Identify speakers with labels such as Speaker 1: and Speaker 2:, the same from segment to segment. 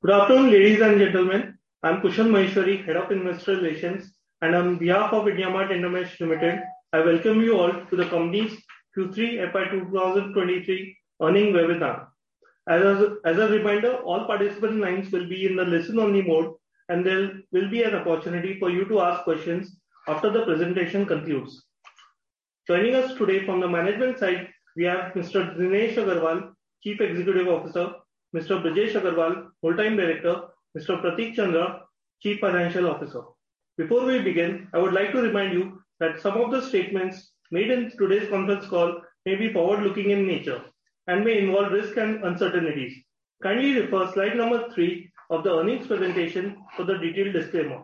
Speaker 1: Good afternoon, ladies and gentlemen. I'm Kushal Maheshwari, Head of Investor Relations, and on behalf of IndiaMART InterMESH Limited, I welcome you all to the company's Q3 FY 2023 earning webinar. As a reminder, all participant lines will be in the listen-only mode, and there will be an opportunity for you to ask questions after the presentation concludes. Joining us today from the management side, we have Mr. Dinesh Agarwal, Chief Executive Officer, Mr. Brijesh Agrawal, Full-time Director, Mr. Prateek Chandra, Chief Financial Officer. Before we begin, I would like to remind you that some of the statements made in today's conference call may be forward-looking in nature and may involve risks and uncertainties. Kindly refer slide number three of the earnings presentation for the detailed disclaimer.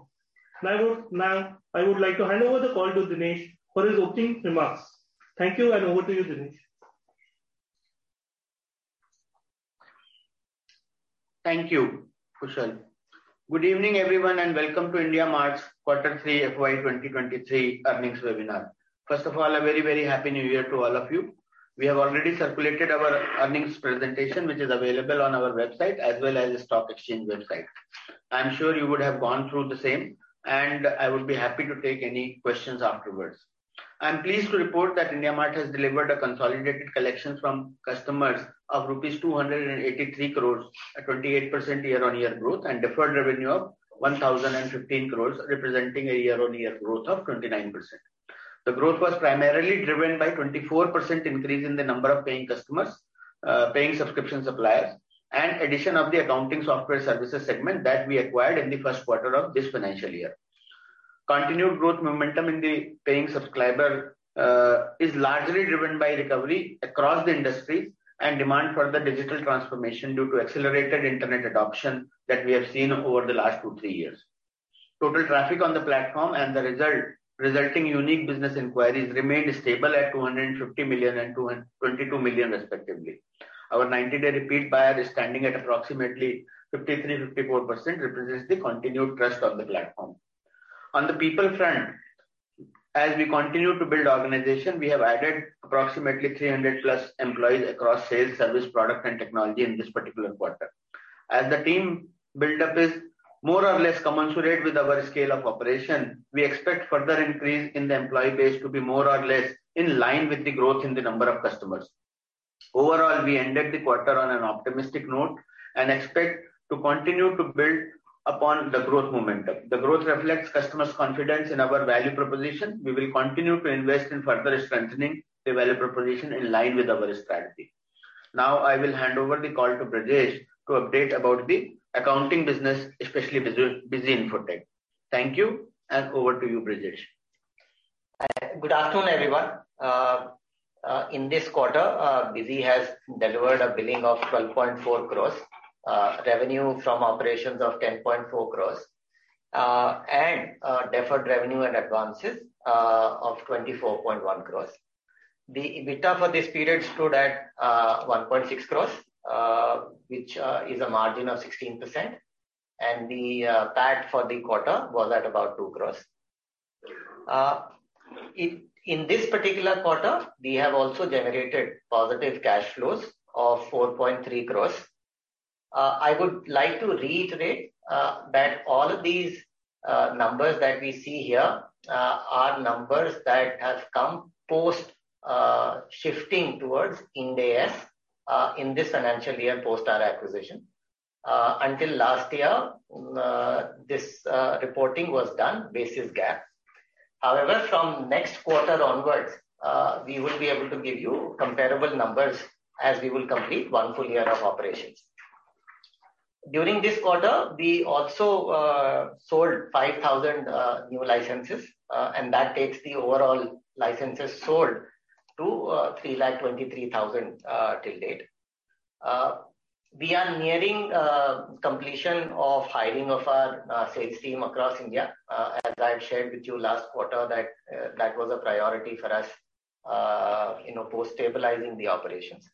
Speaker 1: Now I would like to hand over the call to Dinesh for his opening remarks. Thank you, over to you, Dinesh.
Speaker 2: Thank you, Kushal. Good evening, everyone, and welcome to IndiaMART's Q3 FY 2023 Earnings Webinar. First of all, a very, very Happy New Year to all of you. We have already circulated our earnings presentation, which is available on our website as well as the stock exchange website. I am sure you would have gone through the same, and I would be happy to take any questions afterwards. I am pleased to report that IndiaMART has delivered a consolidated collection from customers of rupees 283 crores at 28% year-on-year growth and deferred revenue of 1,015 crores, representing a year-on-year growth of 29%. The growth was primarily driven by 24% increase in the number of paying customers, paying subscription suppliers, and addition of the accounting software services segment that we acquired in the Q1 of this financial year. Continued growth momentum in the paying subscriber is largely driven by recovery across the industry and demand for the digital transformation due to accelerated internet adoption that we have seen over the last two, three years. Total traffic on the platform and the resulting unique business inquiries remained stable at 250 million and 222 million respectively. Our 90-day repeat buyer is standing at approximately 53-54%, represents the continued trust on the platform. On the people front, as we continue to build organization, we have added approximately 300+ employees across sales, service, product, and technology in this particular quarter. As the team build-up is more or less commensurate with our scale of operation, we expect further increase in the employee base to be more or less in line with the growth in the number of customers. Overall, we ended the quarter on an optimistic note and expect to continue to build upon the growth momentum. The growth reflects customers' confidence in our value proposition. We will continue to invest in further strengthening the value proposition in line with our strategy. Now I will hand over the call to Brijesh to update about the accounting business, especially Busy Infotech. Thank you, and over to you, Brijesh.
Speaker 3: Good afternoon, everyone. In this quarter, BUSY has delivered a billing of 12.4 crores, revenue from operations of 10.4 crores, and deferred revenue and advances of 24.1 crores. The EBITDA for this period stood at 1.6 crores, which is a margin of 16%, and the PAT for the quarter was at about two crores. In this particular quarter, we have also generated positive cash flows of 4.3 crores. I would like to reiterate that all these numbers that we see here are numbers that have come post shifting towards Ind AS in this financial year post our acquisition. Until last year, this reporting was done basis GAAP. However, from next quarter onwards, we will be able to give you comparable numbers as we will complete one full year of operations. During this quarter, we also sold 5,000 new licenses, and that takes the overall licenses sold to 3,23,000 till date. We are nearing completion of hiring of our sales team across India. As I had shared with you last quarter, that was a priority for us, you know, post-stabilizing the operations.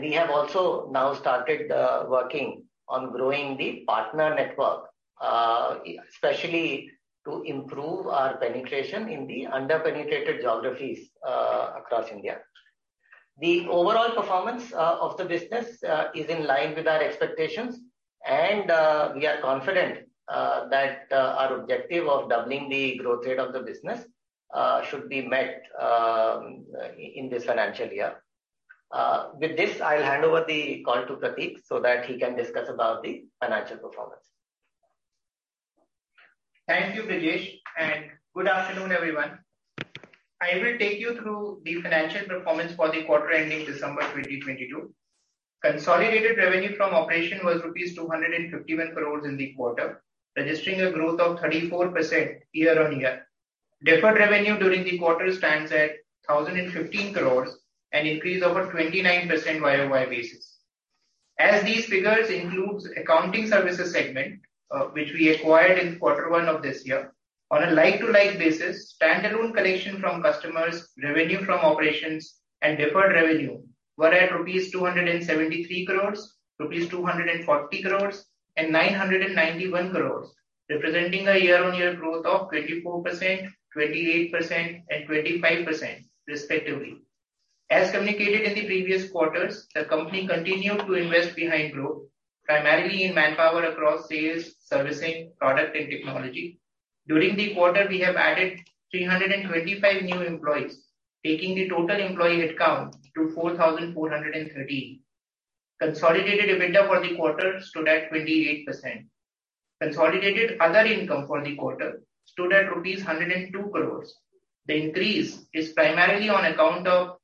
Speaker 3: We have also now started working on growing the partner network, especially to improve our penetration in the under-penetrated geographies across India. The overall performance of the business is in line with our expectations and we are confident that our objective of doubling the growth rate of the business should be met in this financial year. With this, I'll hand over the call to Prateek so that he can discuss about the financial performance.
Speaker 4: Thank you, Brijesh, and good afternoon, everyone. I will take you through the financial performance for the quarter ending December 2022. Consolidated revenue from operation was rupees 251 crores in the quarter, registering a growth of 34% year-on-year. Deferred revenue during the quarter stands at 1,015 crores, an increase over 29% YOY basis. As these figures includes accounting services segment, which we acquired in quarter 1 of this year, on a like-to-like basis, standalone collection from customers, revenue from operations and deferred revenue were at 273 crores rupees, 240 crores, and 991 crores, representing a year-on-year growth of 24%, 28%, and 25% respectively. As communicated in the previous quarters, the company continued to invest behind growth, primarily in manpower across sales, servicing, product and technology. During the quarter, we have added 325 new employees, taking the total employee headcount to 4,413. Consolidated EBITDA for the quarter stood at 28%. Consolidated other income for the quarter stood at rupees 102 crores. The increase is primarily on account of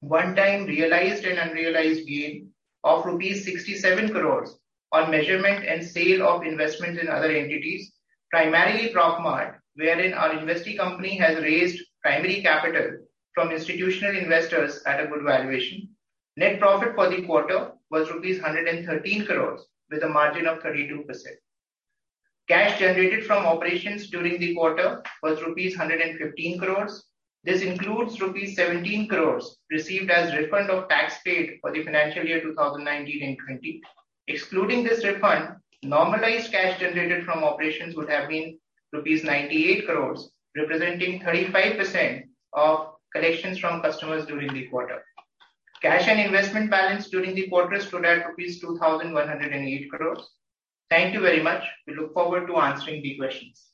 Speaker 4: one time realized and unrealized gain of rupees 67 crores on measurement and sale of investment in other entities, primarily ProcMart, wherein our investee company has raised primary capital from institutional investors at a good valuation. Net profit for the quarter was rupees 113 crores with a margin of 32%. Cash generated from operations during the quarter was rupees 115 crores. This includes rupees 17 crores received as refund of tax paid for the financial year 2019 and 2020. Excluding this refund, normalized cash generated from operations would have been rupees 98 crores, representing 35% of collections from customers during the quarter. Cash and investment balance during the quarter stood at rupees 2,108 crores. Thank you very much. We look forward to answering the questions.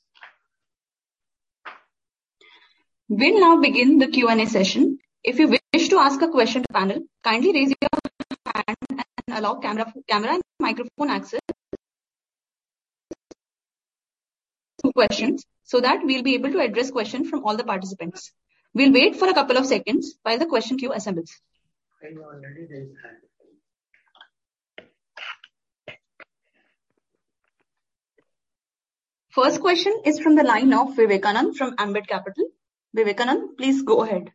Speaker 5: We'll now begin the Q&A session. If you wish to ask a question to panel, kindly raise your hand and allow camera and microphone access. Questions so that we'll be able to address questions from all the participants. We'll wait for a couple of seconds while the question queue assembles.
Speaker 2: Can you already raise hand?
Speaker 5: First question is from the line of Vivekananda from Ambit Capital. Vivekananda, please go ahead.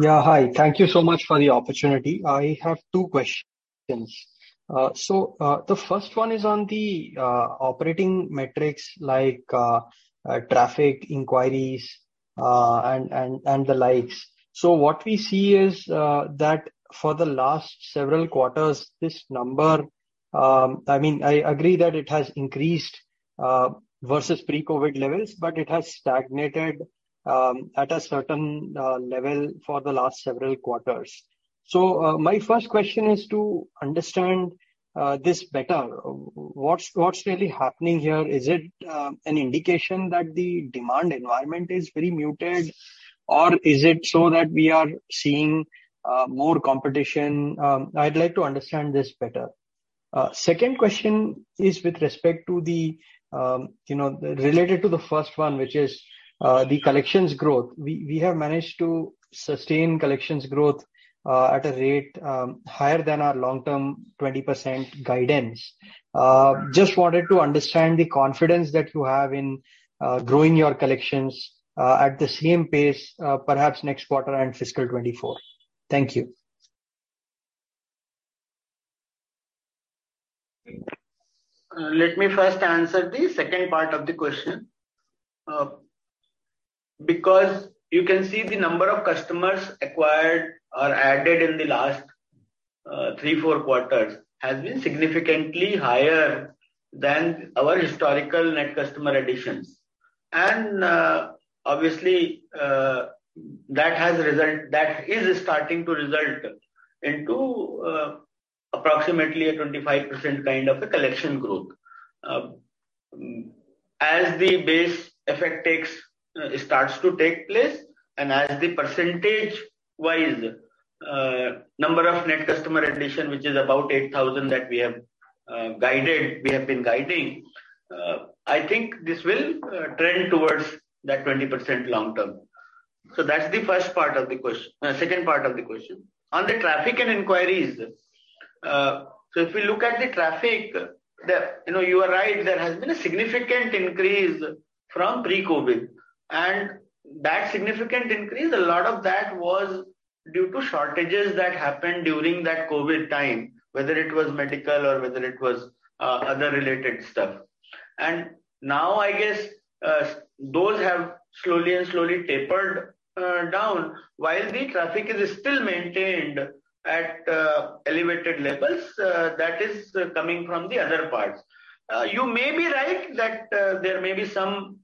Speaker 6: Yeah, hi. Thank you so much for the opportunity. I have two questions. The first one is on the operating metrics like traffic inquiries and the likes. What we see is that for the last several quarters, this number, I mean, I agree that it has increased versus pre-COVID levels, but it has stagnated at a certain level for the last several quarters. My first question is to understand this better. What's really happening here? Is it an indication that the demand environment is very muted, or is it so that we are seeing more competition? I'd like to understand this better. Second question is with respect to the, you know, related to the first one, which is the collections growth. We have managed to sustain collections growth, at a rate, higher than our long-term 20% guidance. Just wanted to understand the confidence that you have in growing your collections, at the same pace, perhaps next quarter and fiscal 2024. Thank you.
Speaker 2: Let me first answer the second part of the question. Because you can see the number of customers acquired or added in the last, three, four quarters has been significantly higher than our historical net customer additions. Obviously, that is starting to result into approximately a 25% kind of a collection growth. As the base effect takes, starts to take place, and as the percentage-wise, number of net customer addition, which is about 8,000 that we have guided, we have been guiding, I think this will trend towards that 20% long term. That's the second part of the question. On the traffic and inquiries, so if you look at the traffic. You know, you are right, there has been a significant increase from pre-COVID. That significant increase, a lot of that was due to shortages that happened during that COVID time, whether it was medical or whether it was other related stuff. Now, I guess, those have slowly and slowly tapered down while the traffic is still maintained at elevated levels that is coming from the other parts. You may be right that there may be some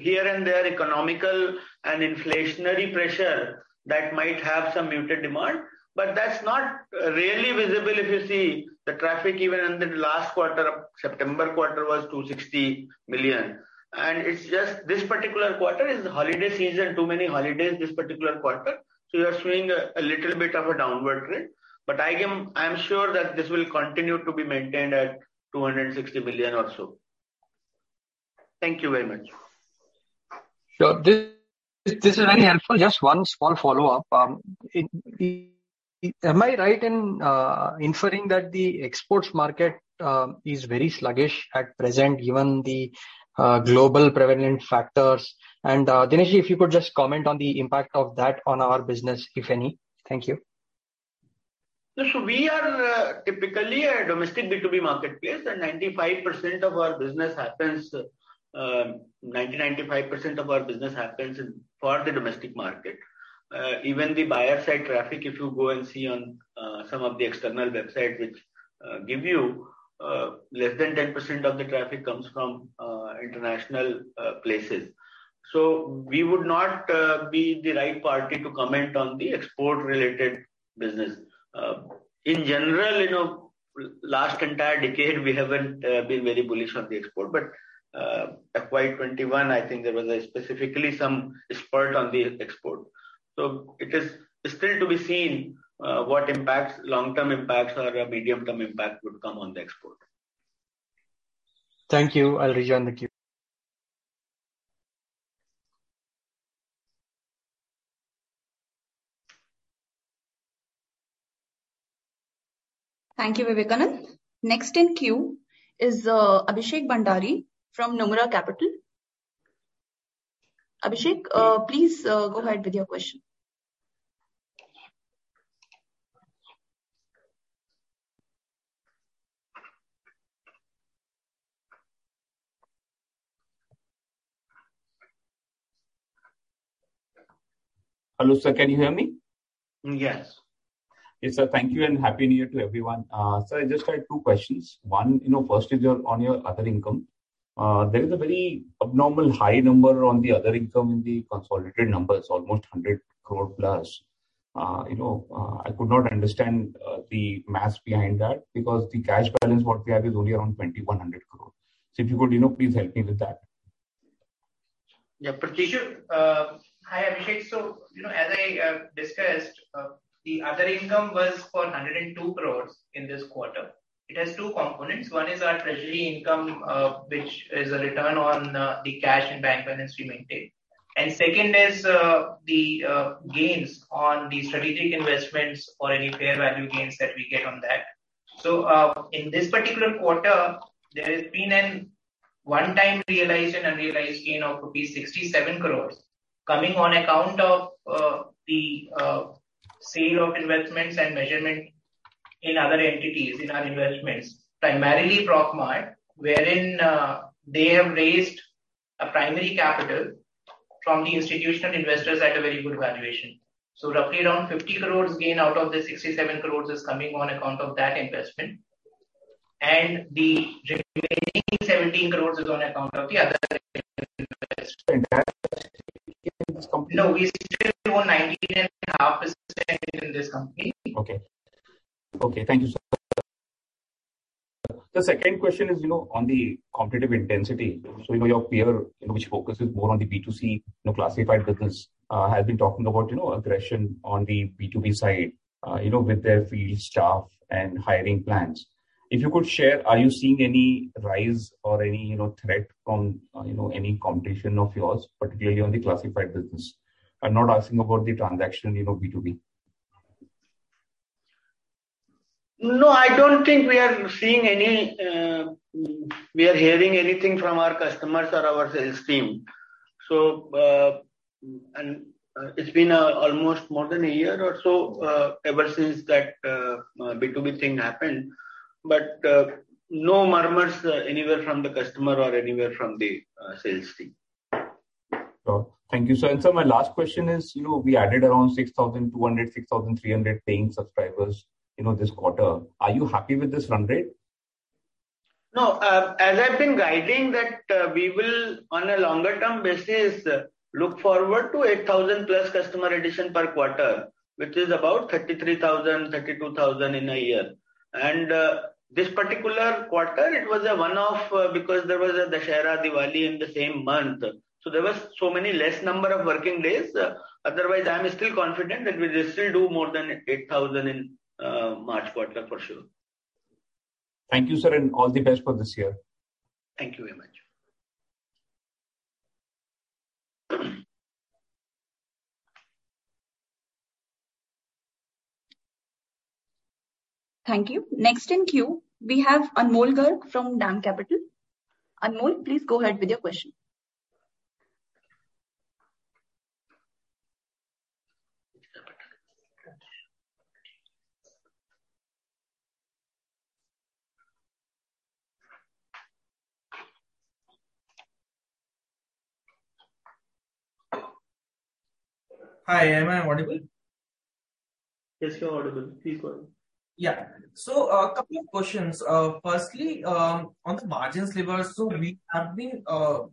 Speaker 2: here and there economical and inflationary pressure that might have some muted demand, but that's not really visible if you see the traffic even in the last quarter of September quarter was 260 million. It's just this particular quarter is the holiday season, too many holidays this particular quarter, so you are seeing a little bit of a downward trend. I am sure that this will continue to be maintained at 260 million or so. Thank you very much.
Speaker 6: Sure. This is very helpful. Just one small follow-up. Am I right in inferring that the exports market is very sluggish at present given the global prevalent factors? Dinesh, if you could just comment on the impact of that on our business, if any. Thank you.
Speaker 2: Yes. We are typically a domestic B2B marketplace, and 90%-95% of our business happens in for the domestic market. Even the buyer side traffic, if you go and see on some of the external websites which give you less than 10% of the traffic comes from international places. We would not be the right party to comment on the export related business. In general, you know, last entire decade we haven't been very bullish on the export, but FY21, I think, there was specifically some spurt on the export. It is still to be seen what impacts, long-term impacts or a medium-term impact would come on the export.
Speaker 5: Thank you. I'll rejoin the queue. Thank you, Vivekanand. Next in queue is Abhishek Bhandari from Nomura Capital. Abhishek, please go ahead with your question.
Speaker 7: Hello, sir. Can you hear me?
Speaker 2: Yes.
Speaker 7: Yes, sir. Thank you and Happy New Year to everyone. Sir, I just had two questions. One, you know, first is your, on your other income. There is a very abnormal high number on the other income in the consolidated numbers, almost 100 crore+. You know, I could not understand the math behind that because the cash balance what we have is only around 2,100 crore. If you could, you know, please help me with that.
Speaker 8: Yeah. Prateek, hi, Abhishek. You know, as I discussed, the other income was for 102 crores in this quarter. It has two components. One is our treasury income, which is a return on the cash and bank balance we maintain. Second is the gains on the strategic investments or any fair value gains that we get on that. In this particular quarter, there has been a one-time realized and unrealized gain of 67 crores coming on account of the sale of investments and measurement in other entities in our investments, primarily ProcMart, wherein they have raised a primary capital from the institutional investors at a very good valuation. Roughly around 50 crores gain out of the 67 crores is coming on account of that investment.
Speaker 2: The remaining 17 crore is on account of the other investment. No, we still own 19.5% in this company.
Speaker 7: Okay. Okay, thank you, sir. The second question is, you know, on the competitive intensity. your peer, you know, which focuses more on the B2C, you know, classified business, has been talking about, you know, aggression on the B2B side, you know, with their field staff and hiring plans. If you could share, are you seeing any rise or any, you know, threat from, you know, any competition of yours, particularly on the classified business? I'm not asking about the transaction, you know, B2B.
Speaker 2: I don't think we are seeing any, we are hearing anything from our customers or our sales team. It's been almost more than a year or so, ever since that B2B thing happened. No murmurs anywhere from the customer or anywhere from the sales team.
Speaker 7: Thank you, sir. Sir, my last question is, you know, we added around 6,200, 6,300 paying subscribers, you know, this quarter. Are you happy with this run rate?
Speaker 2: As I've been guiding that, we will on a longer term basis, look forward to 8,000+ customer addition per quarter, which is about 33,000, 32,000 in a year. This particular quarter, it was a one-off, because there was a Dussehra, Diwali in the same month. There was so many less number of working days. Otherwise, I am still confident that we will still do more than 8,000 in March quarter for sure.
Speaker 7: Thank you, sir, and all the best for this year.
Speaker 2: Thank you very much.
Speaker 5: Thank you. Next in queue, we have Anmol Garg from DAM Capital. Anmol, please go ahead with your question.
Speaker 9: Hi, am I audible?
Speaker 2: Yes, you are audible. Please go ahead.
Speaker 9: Yeah. A couple of questions. Firstly, on the margins levers. We have been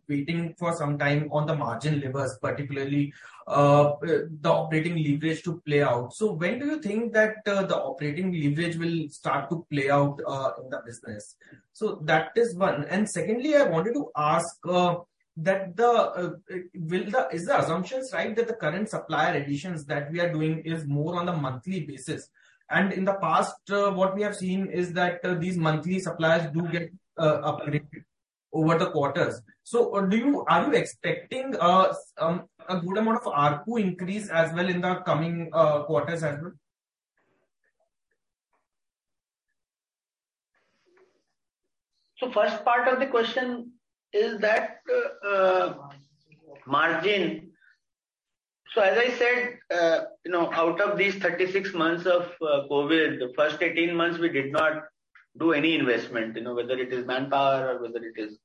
Speaker 9: waiting for some time on the margin levers, particularly the operating leverage to play out. When do you think that the operating leverage will start to play out in the business? That is one. Secondly, I wanted to ask, is the assumptions right that the current supplier additions that we are doing is more on a monthly basis? In the past, what we have seen is that these monthly suppliers do get upgraded over the quarters. Are you expecting a good amount of ARPU increase as well in the coming quarters as well?
Speaker 2: First part of the question is that, margin. As I said, you know, out of these 36 months of COVID, the first 18 months we did not do any investment, you know, whether it is manpower or whether it is.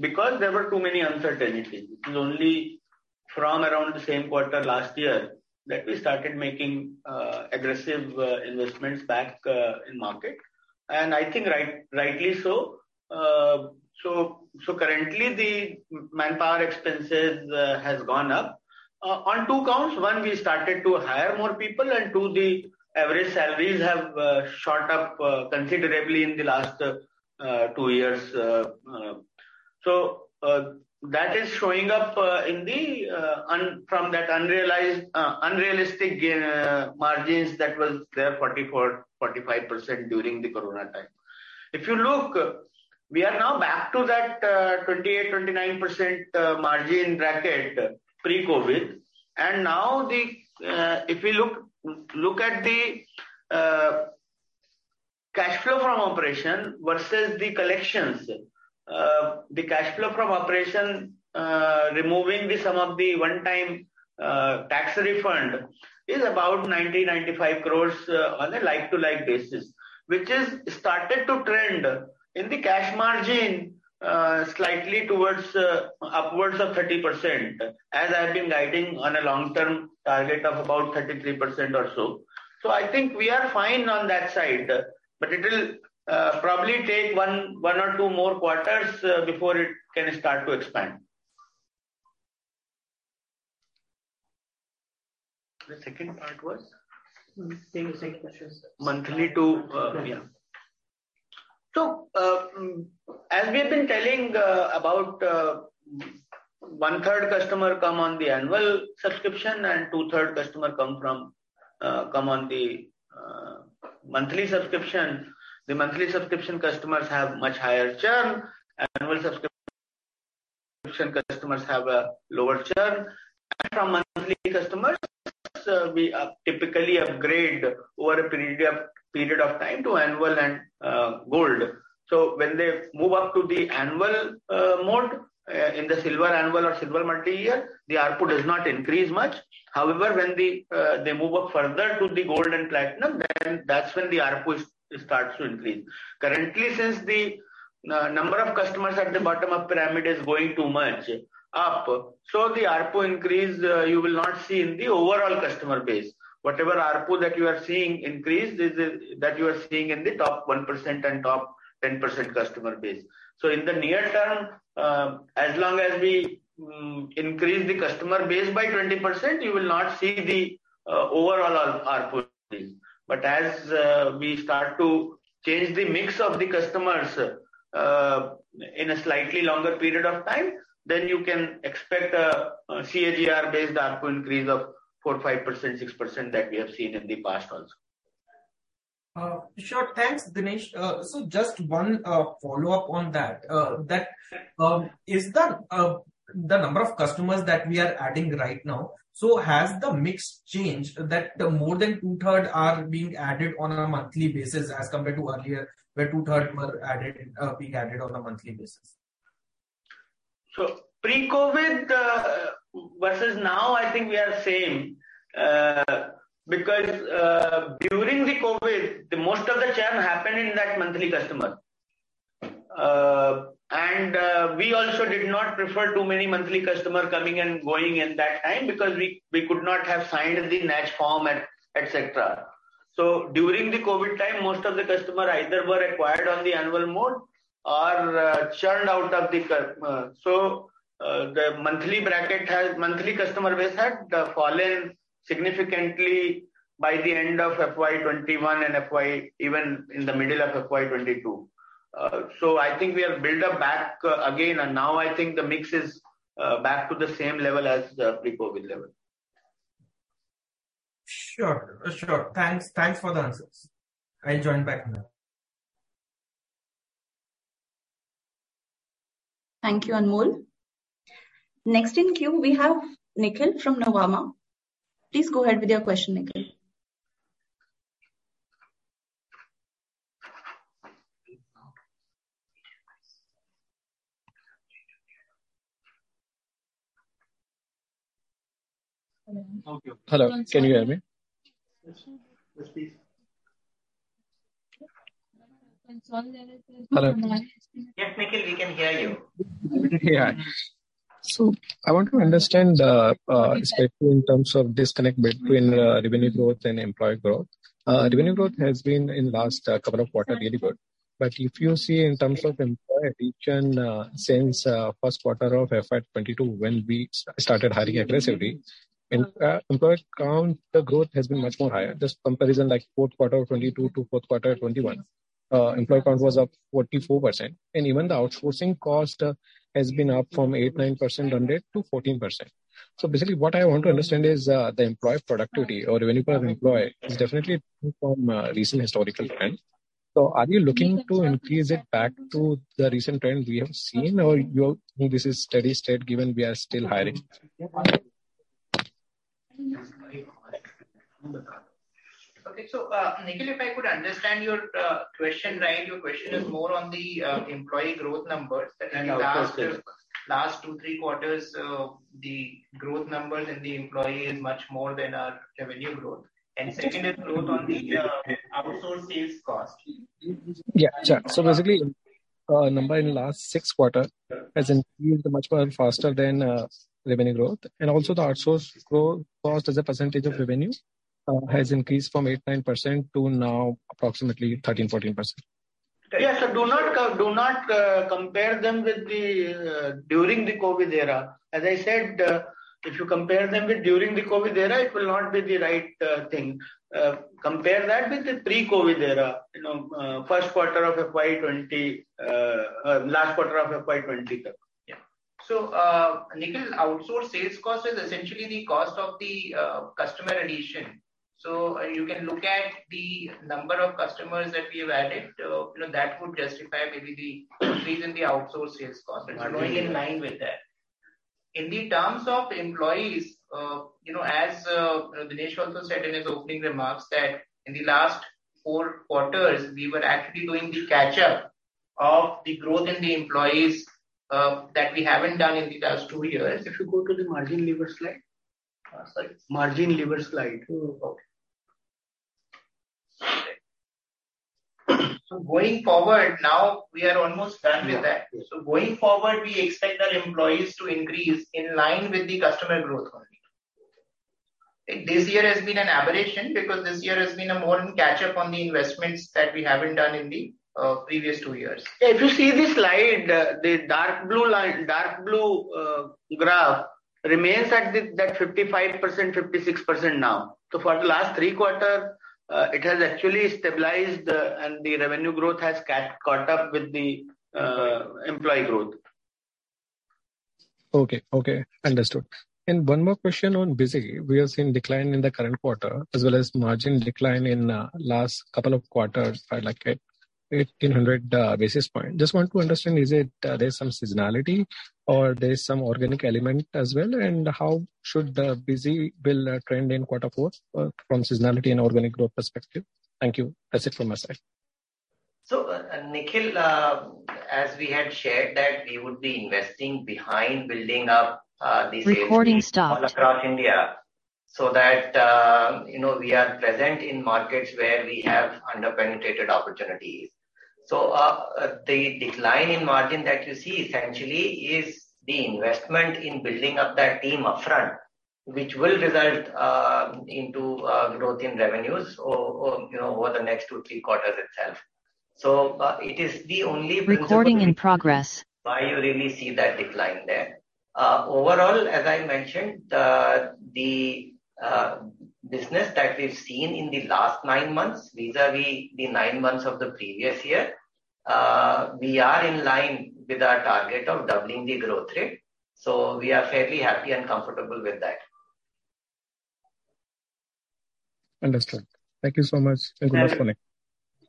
Speaker 2: Because there were too many uncertainty, it is only from around the same quarter last year that we started making aggressive investments back in market. I think right, rightly so. Currently the manpower expenses has gone up on two counts. One, we started to hire more people, and two, the average salaries have shot up considerably in the last two years. That is showing up in the from that unrealized, unrealistic margins that was there 44%-45% during the COVID time. If you look, we are now back to that 28%, 29% margin bracket pre-COVID. Now, if you look at the cash flow from operation versus the collections, the cash flow from operation, removing the some of the one time tax refund is about 90, 95 crores on a like-to-like basis, which is started to trend in the cash margin slightly towards upwards of 30%, as I've been guiding on a long-term target of about 33% or so. I think we are fine on that side, but it will probably take one or two more quarters before it can start to expand. The second part was?
Speaker 9: Same, same question.
Speaker 2: Monthly to, yeah. As we have been telling, about 1/3 customer come on the annual subscription and 2/3 customer come from, come on the monthly subscription. The monthly subscription customers have much higher churn. Annual subscription customers have a lower churn. From monthly customers, we typically upgrade over a period of time to annual and gold. When they move up to the annual mode, in the silver annual or silver multi-year, the ARPU does not increase much. However, when they move up further to the gold and platinum, then that's when the ARPU starts to increase. Currently, since the number of customers at the bottom of pyramid is going too much up, so the ARPU increase, you will not see in the overall customer base. Whatever ARPU that you are seeing increase is that you are seeing in the top 1% and top 10% customer base. In the near term, as long as we increase the customer base by 20%, you will not see the overall ARPU increase. As we start to change the mix of the customers in a slightly longer period of time, then you can expect a CAGR-based ARPU increase of 4%, 5%, 6% that we have seen in the past also.
Speaker 9: Sure. Thanks, Dinesh. Just one follow-up on that. That is the number of customers that we are adding right now, so has the mix changed that more than two-third are being added on a monthly basis as compared to earlier, where two-third were added, being added on a monthly basis?
Speaker 2: Pre-COVID versus now, I think we are same because during the COVID, the most of the churn happened in that monthly customer. We also did not prefer too many monthly customer coming and going in that time because we could not have signed the NACH form and et cetera. During the COVID time, most of the customer either were acquired on the annual mode or churned out of the monthly customer base had fallen significantly by the end of FY 21 and even in the middle of FY 22. I think we have built up back again and now I think the mix is back to the same level as pre-COVID level.
Speaker 9: Sure. Sure. Thanks. Thanks for the answers. I'll join back now.
Speaker 5: Thank you, Anmol. Next in queue we have Nikhil from Nuvama. Please go ahead with your question, Nikhil.
Speaker 2: Okay.
Speaker 10: Hello. Can you hear me?
Speaker 2: Yes, please.
Speaker 5: Yes.
Speaker 2: Hello. Yes, Nikhil, we can hear you.
Speaker 10: I want to understand, especially in terms of disconnect between revenue growth and employee growth. Revenue growth has been in last couple of quarter really good. If you see in terms of employee churn, since Q1 of FY 2022, when we started hiring aggressively, employee count, the growth has been much more higher. Just comparison like Q4 of 2022 to Q4 of 2021. Employee count was up 44%, and even the outsourcing cost has been up from 8%-9% on that to 14%. Basically what I want to understand is, the employee productivity or revenue per employee is definitely from recent historical trend. Are you looking to increase it back to the recent trend we have seen or you think this is steady state given we are still hiring?
Speaker 2: Okay. Nikhil, if I could understand your question right, your question is more on the employee growth numbers.
Speaker 10: Of course, yes.
Speaker 2: Last two, three quarters, the growth numbers in the employee is much more than our revenue growth. Second is growth on the outsourced sales cost.
Speaker 10: Yeah, sure. Basically, number in last six quarters has increased much more faster than revenue growth. Also the outsource growth cost as a percentage of revenue has increased from 8%-9% to now approximately 13%-14%.
Speaker 2: Yes. Do not compare them with the during the COVID era. As I said, if you compare them with during the COVID era, it will not be the right thing. Compare that with the pre-COVID era, you know, Q1 of FY 20, last quarter of FY 20.
Speaker 3: Yeah. Nikhil, outsourced sales cost is essentially the cost of the customer addition. You can look at the number of customers that we have added. You know, that would justify maybe the increase in the outsourced sales cost. It's going in line with that. In the terms of employees, you know, as Dinesh also said in his opening remarks, that in the last four quarters we were actually doing the catch up of the growth in the employees that we haven't done in the last two years.
Speaker 2: If you go to the margin lever slide. sorry.
Speaker 3: Margin lever slide.
Speaker 2: Mm-hmm.
Speaker 3: Okay. Going forward now we are almost done with that. Going forward, we expect our employees to increase in line with the customer growth only. This year has been an aberration because this year has been a more catch up on the investments that we haven't done in the previous two years.
Speaker 2: Yeah, if you see the slide, the dark blue line, dark blue graph remains at that 55%, 56% now. For the last three quarter, it has actually stabilized, and the revenue growth has caught up with the employee growth.
Speaker 10: Okay. Okay. Understood. One more question on BUSY. We are seeing decline in the current quarter as well as margin decline in last couple of quarters by like 1,800 basis point. Just want to understand, is it, there's some seasonality or there's some organic element as well? How should the BUSY bill trend in quarter four from seasonality and organic growth perspective? Thank you. That's it from my side.
Speaker 3: Nikhil, as we had shared that we would be investing behind building up the sales team.
Speaker 5: Recording stopped.
Speaker 3: all across India, so that, you know, we are present in markets where we have under-penetrated opportunities. The decline in margin that you see essentially is the investment in building up that team upfront, which will result into growth in revenues over, you know, over the next two, three quarters itself. It is the only principle re-
Speaker 5: Recording in progress.
Speaker 3: why you really see that decline there. Overall, as I mentioned, the business that we've seen in the last nine months vis-à-vis the nine months of the previous year, we are in line with our target of doubling the growth rate. We are fairly happy and comfortable with that.
Speaker 10: Understood. Thank you so much and good afternoon.
Speaker 2: Yeah.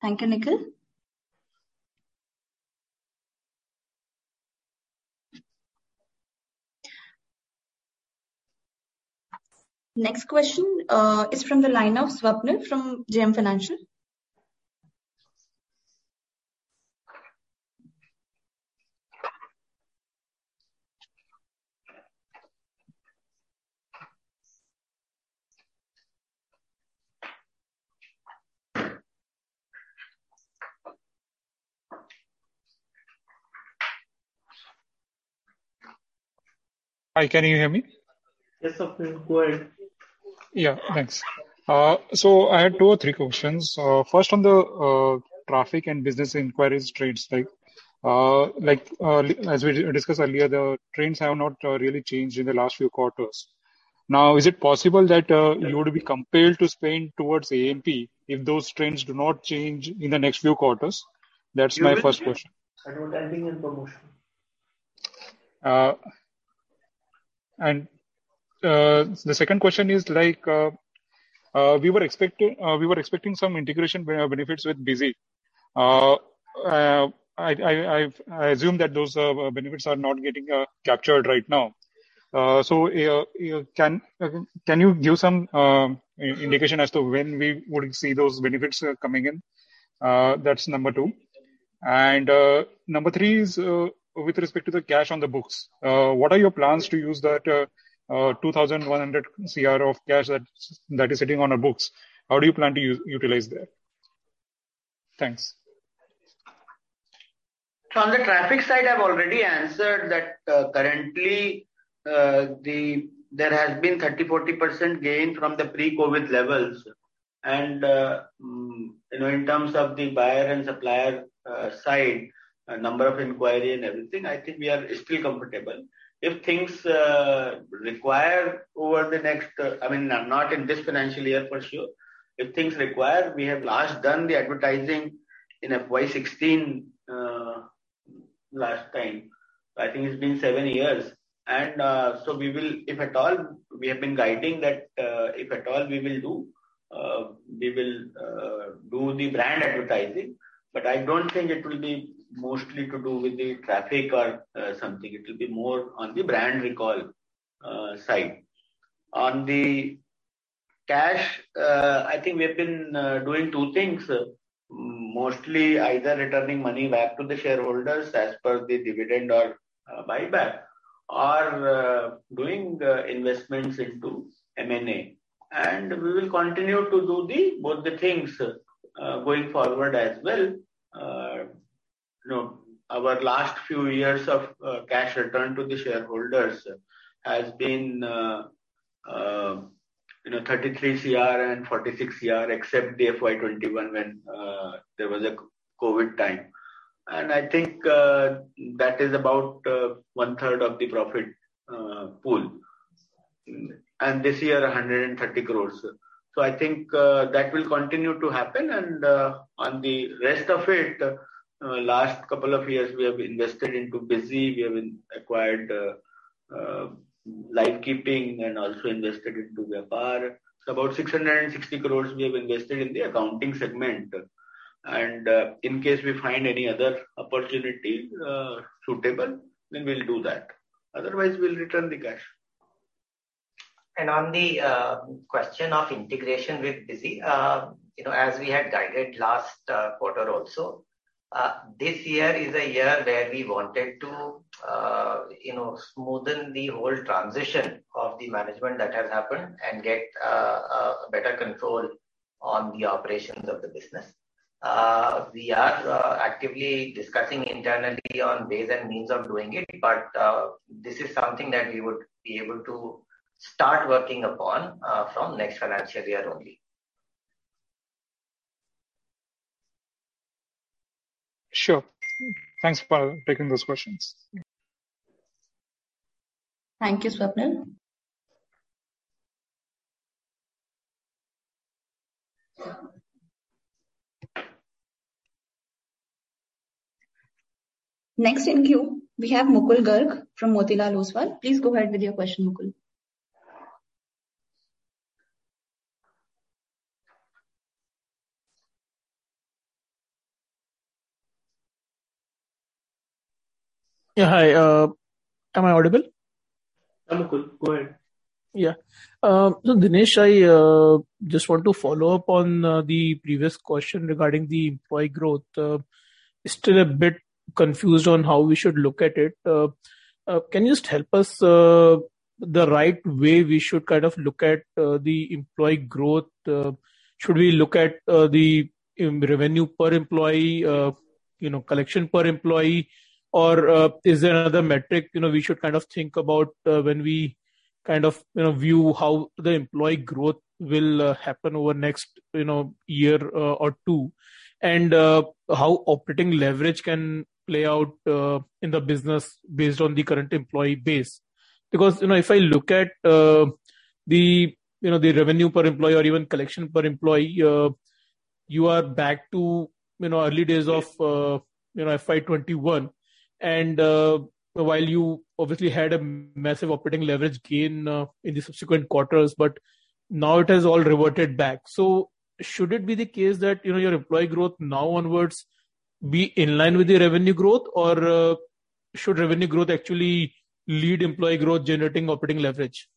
Speaker 5: Thank you, Nikhil. Next question is from the line of Swapnil from JM Financial.
Speaker 11: Hi, can you hear me?
Speaker 2: Yes, Swapnil. Go ahead.
Speaker 11: Yeah, thanks. I had two or three questions. First on the traffic and business inquiries trends, right? Like, as we discussed earlier, the trends have not really changed in the last few quarters. Is it possible that you would be compelled to spend towards AMP if those trends do not change in the next few quarters? That's my first question.
Speaker 2: You will see advertising and promotion.
Speaker 11: The second question is like, we were expecting some integration benefits with BUSY. I assume that those benefits are not getting captured right now. So, can you give some indication as to when we would see those benefits coming in? That's number two. And number three is with respect to the cash on the books. What are your plans to use that 2,100 crore of cash that is sitting on our books? How do you plan to utilize that? Thanks.
Speaker 2: From the traffic side, I've already answered that, currently, the there has been 30-40% gain from the pre-COVID levels. You know, in terms of the buyer and supplier side, number of inquiry and everything, I think we are still comfortable. If things require over the next, I mean, not in this financial year for sure. If things require, we have last done the advertising in FY 16 last time. I think it's been seven years. We will, if at all, we have been guiding that, if at all we will do, we will do the brand advertising. I don't think it will be mostly to do with the traffic or something. It will be more on the brand recall side. On the Cash, I think we have been doing two things. Mostly either returning money back to the shareholders as per the dividend or buyback, or doing investments into M&A. We will continue to do the, both the things going forward as well. You know, our last few years of cash return to the shareholders has been, you know, 33 CR and 46 CR, except the FY 2021 when there was a COVID time. I think that is about one third of the profit pool. This year, 130 crores. I think that will continue to happen. On the rest of it, last couple of years we have invested into BUSY, we have acquired Livekeeping and also invested into Vyapar. About 660 crore we have invested in the accounting segment. In case we find any other opportunity suitable, then we'll do that. Otherwise, we'll return the cash.
Speaker 3: On the question of integration with BUSY, you know, as we had guided last quarter also, this year is a year where we wanted to, you know, smoothen the whole transition of the management that has happened and get better control on the operations of the business. We are actively discussing internally on ways and means of doing it, but this is something that we would be able to start working upon from next financial year only.
Speaker 5: Sure. Thanks for taking those questions. Thank you, Swapnil. Next in queue we have Mukul Garg from Motilal Oswal. Please go ahead with your question, Mukul.
Speaker 12: Yeah, hi. Am I audible?
Speaker 2: Hello Mukul, go ahead.
Speaker 12: Dinesh, I just want to follow up on the previous question regarding the employee growth. Still a bit confused on how we should look at it. Can you just help us the right way we should kind of look at the employee growth? Should we look at the revenue per employee? You know, collection per employee? Or is there another metric, you know, we should kind of think about when we kind of, you know, view how the employee growth will happen over next, you know, year or 2? How operating leverage can play out in the business based on the current employee base. You know, if I look at, the, you know, the revenue per employee or even collection per employee, you are back to, you know, early days of, you know, FY21. While you obviously had a massive operating leverage gain, in the subsequent quarters, but now it has all reverted back. Should it be the case that, you know, your employee growth now onwards be in line with the revenue growth? Should revenue growth actually lead employee growth generating operating leverage?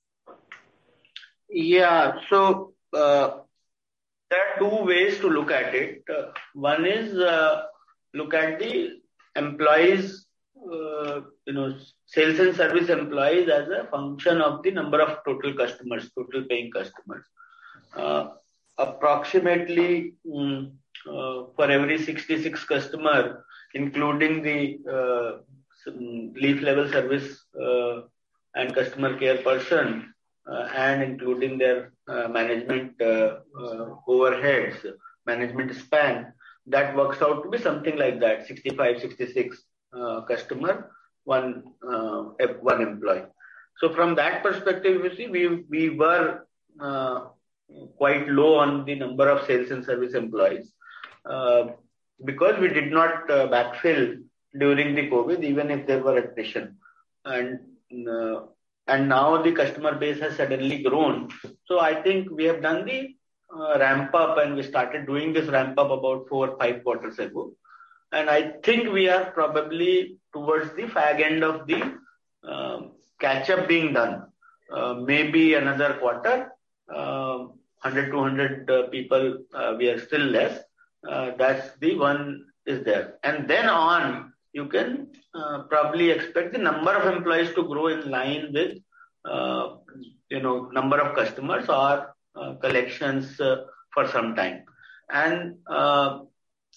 Speaker 2: Yeah. There are two ways to look at it. One is, look at the employees, you know, sales and service employees as a function of the number of total customers, total paying customers. Approximately, for every 66 customer, including the leaf level service, and customer care person, and including their management overheads, management span, that works out to be something like that, 65, 66 customer, one employee. From that perspective, you see, we were quite low on the number of sales and service employees, because we did not backfill during the COVID, even if there were attrition. Now the customer base has suddenly grown. I think we have done the ramp up, and we started doing this ramp up about four or five quarters ago. I think we are probably towards the fag end of the catch-up being done. Maybe another quarter, 100, 200 people, we are still less. That's the one is there. Then on, you can probably expect the number of employees to grow in line with, you know, number of customers or collections for some time.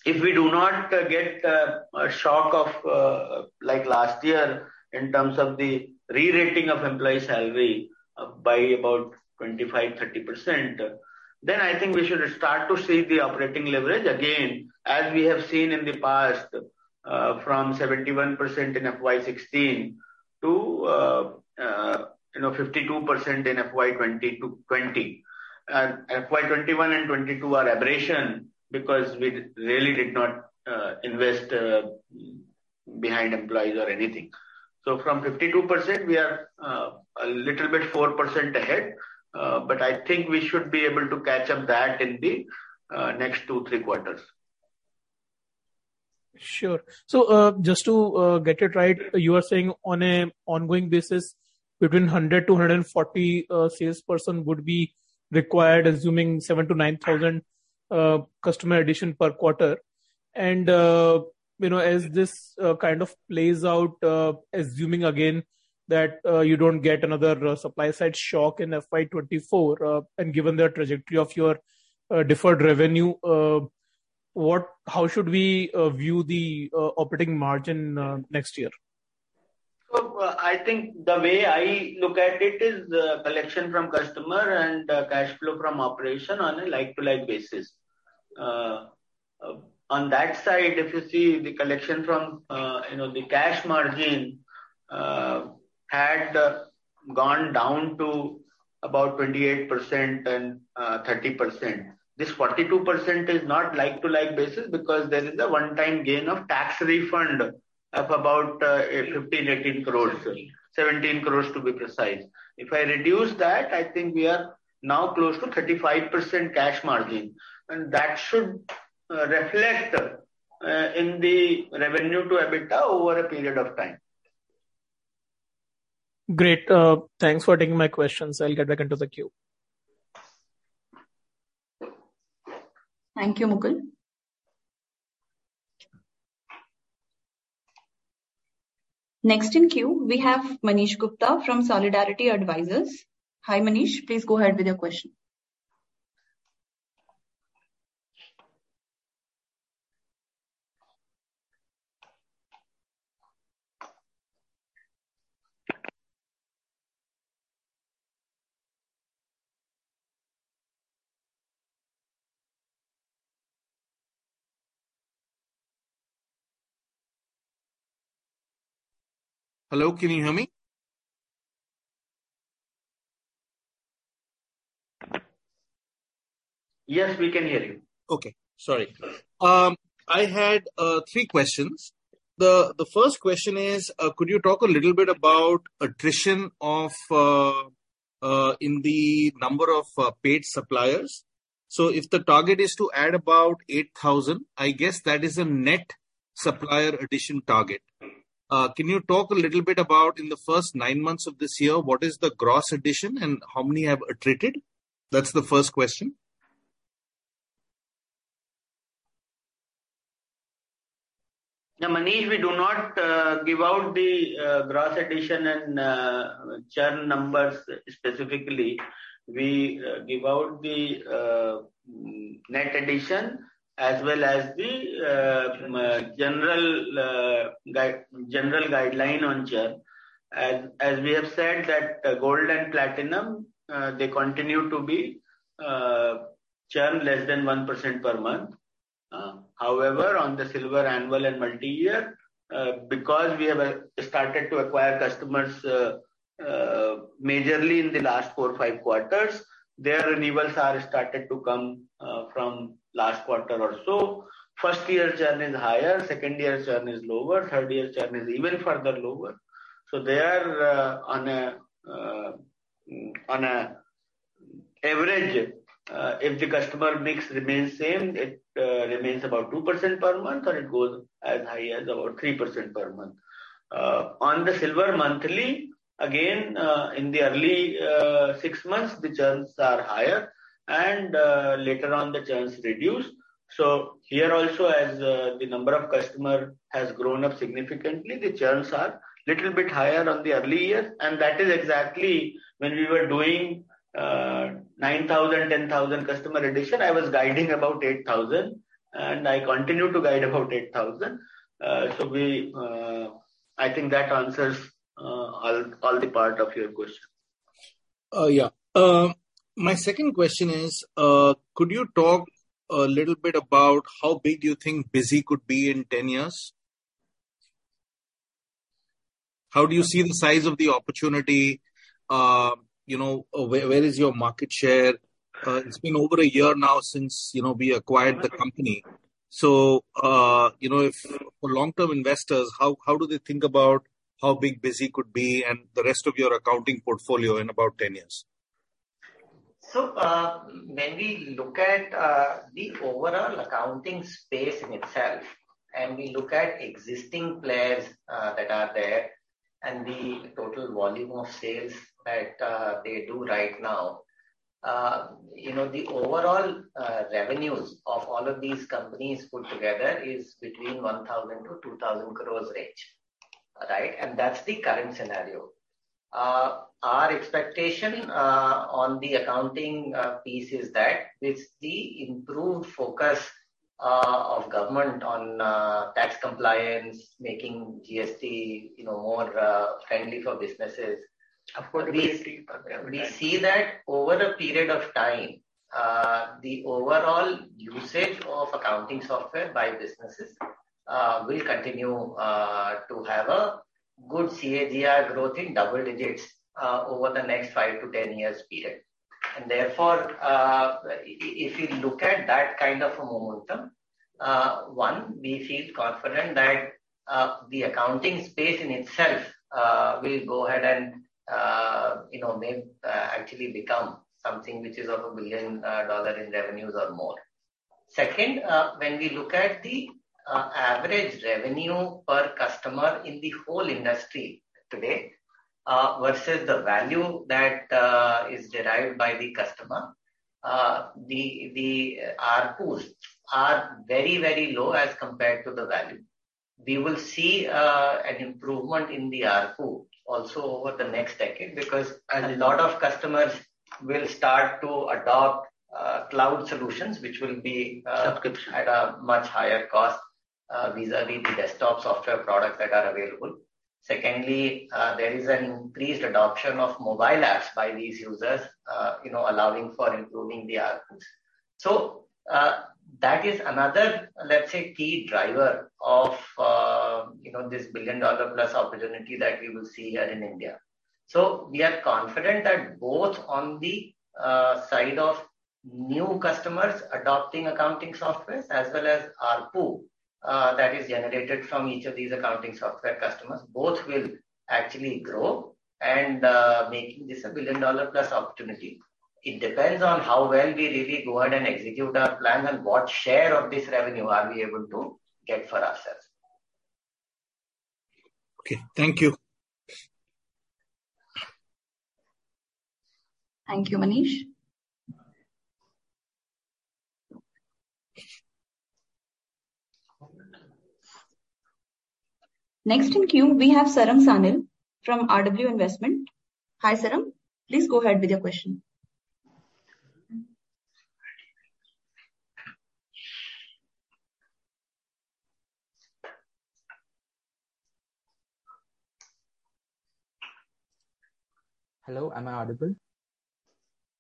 Speaker 2: If we do not get a shock of like last year in terms of the re-rating of employee salary by about 25%-30%, then I think we should start to see the operating leverage again, as we have seen in the past, from 71% in FY16 to, you know, 52% in FY20 to 20. FY21 and 22 are aberration because we really did not invest behind employees or anything. From 52%, we are a little bit 4% ahead, but I think we should be able to catch up that in the next 2, 3 quarters.
Speaker 12: Sure. Just to get it right, you are saying on a ongoing basis between 100-140 salesperson would be required, assuming 7,000-9,000 customer addition per quarter. You know, as this kind of plays out, assuming again that you don't get another supply side shock in FY 2024, and given the trajectory of your deferred revenue, how should we view the operating margin next year?
Speaker 2: I think the way I look at it is, collection from customer and cash flow from operation on a like-to-like basis. On that side, if you see the collection from, you know, the cash margin, had gone down to about 28% and 30%. This 42% is not like-to-like basis because there is a one time gain of tax refund of about 15, 18 crores. 17 crores to be precise. If I reduce that, I think we are now close to 35% cash margin, and that should reflect in the revenue to EBITDA over a period of time.
Speaker 12: Great. Thanks for taking my questions. I'll get back into the queue.
Speaker 5: Thank you, Mukul. Next in queue we have Manish Gupta from Solidarity Advisors. Hi, Manish. Please go ahead with your question.
Speaker 13: Hello, can you hear me?
Speaker 2: Yes, we can hear you.
Speaker 13: Okay. Sorry. I had three questions. The first question is, could you talk a little bit about attrition of in the number of paid suppliers? If the target is to add about 8,000, I guess that is a net supplier addition target. Can you talk a little bit about in the first 9 months of this year, what is the gross addition and how many have attrited? That's the first question.
Speaker 2: Now, Manish, we do not give out the gross addition and churn numbers specifically. We give out the net addition as well as the general guideline on churn. As, as we have said that gold and platinum, they continue to be churn less than 1% per month. However, on the silver annual and multi-year, because we have started to acquire customers majorly in the last four, five quarters, their renewals are started to come from last quarter or so. First year churn is higher, second year churn is lower, third year churn is even further lower. So they are on a average, if the customer mix remains same, it remains about 2% per month, or it goes as high as about 3% per month. On the silver monthly, again, in the early, six months, the churns are higher and, later on the churns reduce. Here also as, the number of customer has grown up significantly, the churns are little bit higher on the early years, and that is exactly when we were doing, 9,000, 10,000 customer addition. I was guiding about 8,000, and I continue to guide about 8,000. I think that answers all the part of your question.
Speaker 13: Yeah. My second question is, could you talk a little bit about how big you think BUSY could be in 10 years? How do you see the size of the opportunity? You know, where is your market share? It's been over a year now since, you know, we acquired the company. You know, if for long-term investors, how do they think about how big BUSY could be and the rest of your accounting portfolio in about 10 years?
Speaker 2: When we look at the overall accounting space in itself, and we look at existing players that are there and the total volume of sales that they do right now, you know, the overall revenues of all of these companies put together is between 1,000-2,000 crores range, right? That's the current scenario. Our expectation on the accounting piece is that with the improved focus of government on tax compliance, making GST, you know, more friendly for businesses, of course we see that over a period of time, the overall usage of accounting software by businesses will continue to have a good CAGR growth in double digits over the next 5-10 years period. Therefore, if you look at that kind of a momentum, one, we feel confident that the accounting space in itself, will go ahead and, you know, may actually become something which is of a $1 billion in revenues or more. Second, when we look at the average revenue per customer in the whole industry today, versus the value that is derived by the customer, the ARPUs are very, very low as compared to the value. We will see an improvement in the ARPU also over the next decade, because as a lot of customers will start to adopt cloud solutions, which will be. Subscription. at a much higher cost, vis-a-vis the desktop software products that are available. Secondly, there is an increased adoption of mobile apps by these users, you know, allowing for improving the ARPUs. That is another, let's say, key driver of, you know, this billion-dollar-plus opportunity that we will see here in India. We are confident that both on the side of new customers adopting accounting softwares as well as ARPU, that is generated from each of these accounting software customers, both will actually grow and, making this a billion-dollar-plus opportunity. It depends on how well we really go out and execute our plan and what share of this revenue are we able to get for ourselves.
Speaker 5: Okay, thank you. Thank you, Manish. Next in queue, we have Sarang Sanil from RW Investment. Hi, Sarang. Please go ahead with your question.
Speaker 14: Hello, am I audible?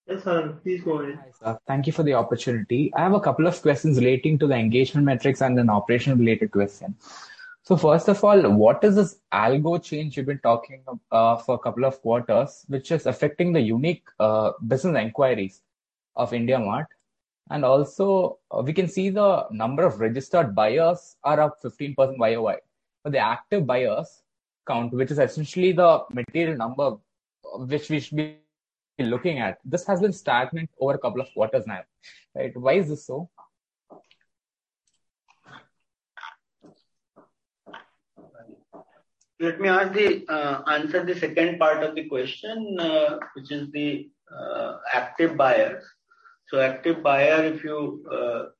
Speaker 5: Yes, Sarang, please go ahead.
Speaker 14: Hi, sir. Thank you for the opportunity. I have a couple of questions relating to the engagement metrics and an operational related question. First of all, what is this algo change you've been talking for a couple of quarters, which is affecting the unique business inquiries of IndiaMART? Also, we can see the number of registered buyers are up 15% YOY. The active buyers count, which is essentially the material number which we should be looking at, this has been stagnant over a couple of quarters now, right? Why is this so?
Speaker 2: Let me ask the answer the second part of the question, which is the active buyers. Active buyer, if you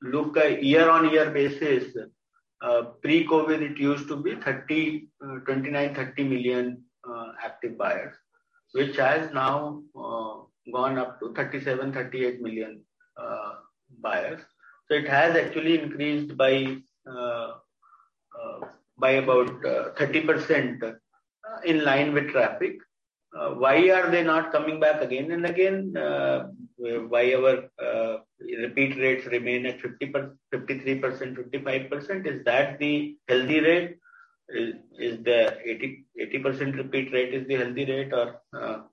Speaker 2: look a year-on-year basis, pre-COVID, it used to be 29-30 million active buyers, which has now gone up to 37-38 million buyers. It has actually increased by about 30% in line with traffic. Why are they not coming back again and again? Why our repeat rates remain at 53%, 55%? Is that the healthy rate? Is the 80% repeat rate is the healthy rate or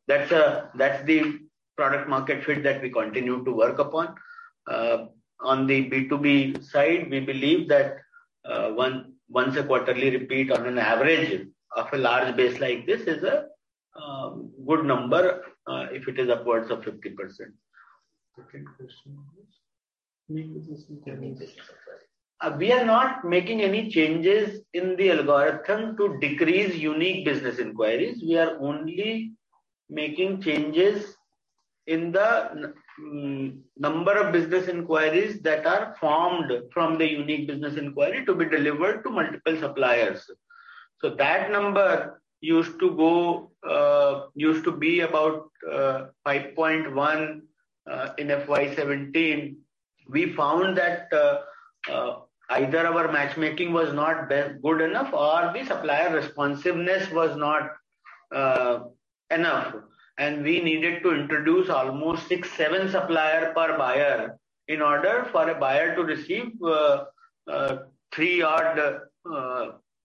Speaker 2: that's that's the product market fit that we continue to work upon. On the B2B side, we believe that, one, once a quarterly repeat on an average of a large base like this is a good number, if it is upwards of 50%.
Speaker 5: Second question please.
Speaker 2: We are not making any changes in the algorithm to decrease unique business inquiries. We are only making changes in the number of business inquiries that are formed from the unique business inquiry to be delivered to multiple suppliers. That number used to go, used to be about 5.1 in FY 2017. We found that either our matchmaking was not good enough or the supplier responsiveness was not enough, and we needed to introduce almost six, seven supplier per buyer in order for a buyer to receive three odd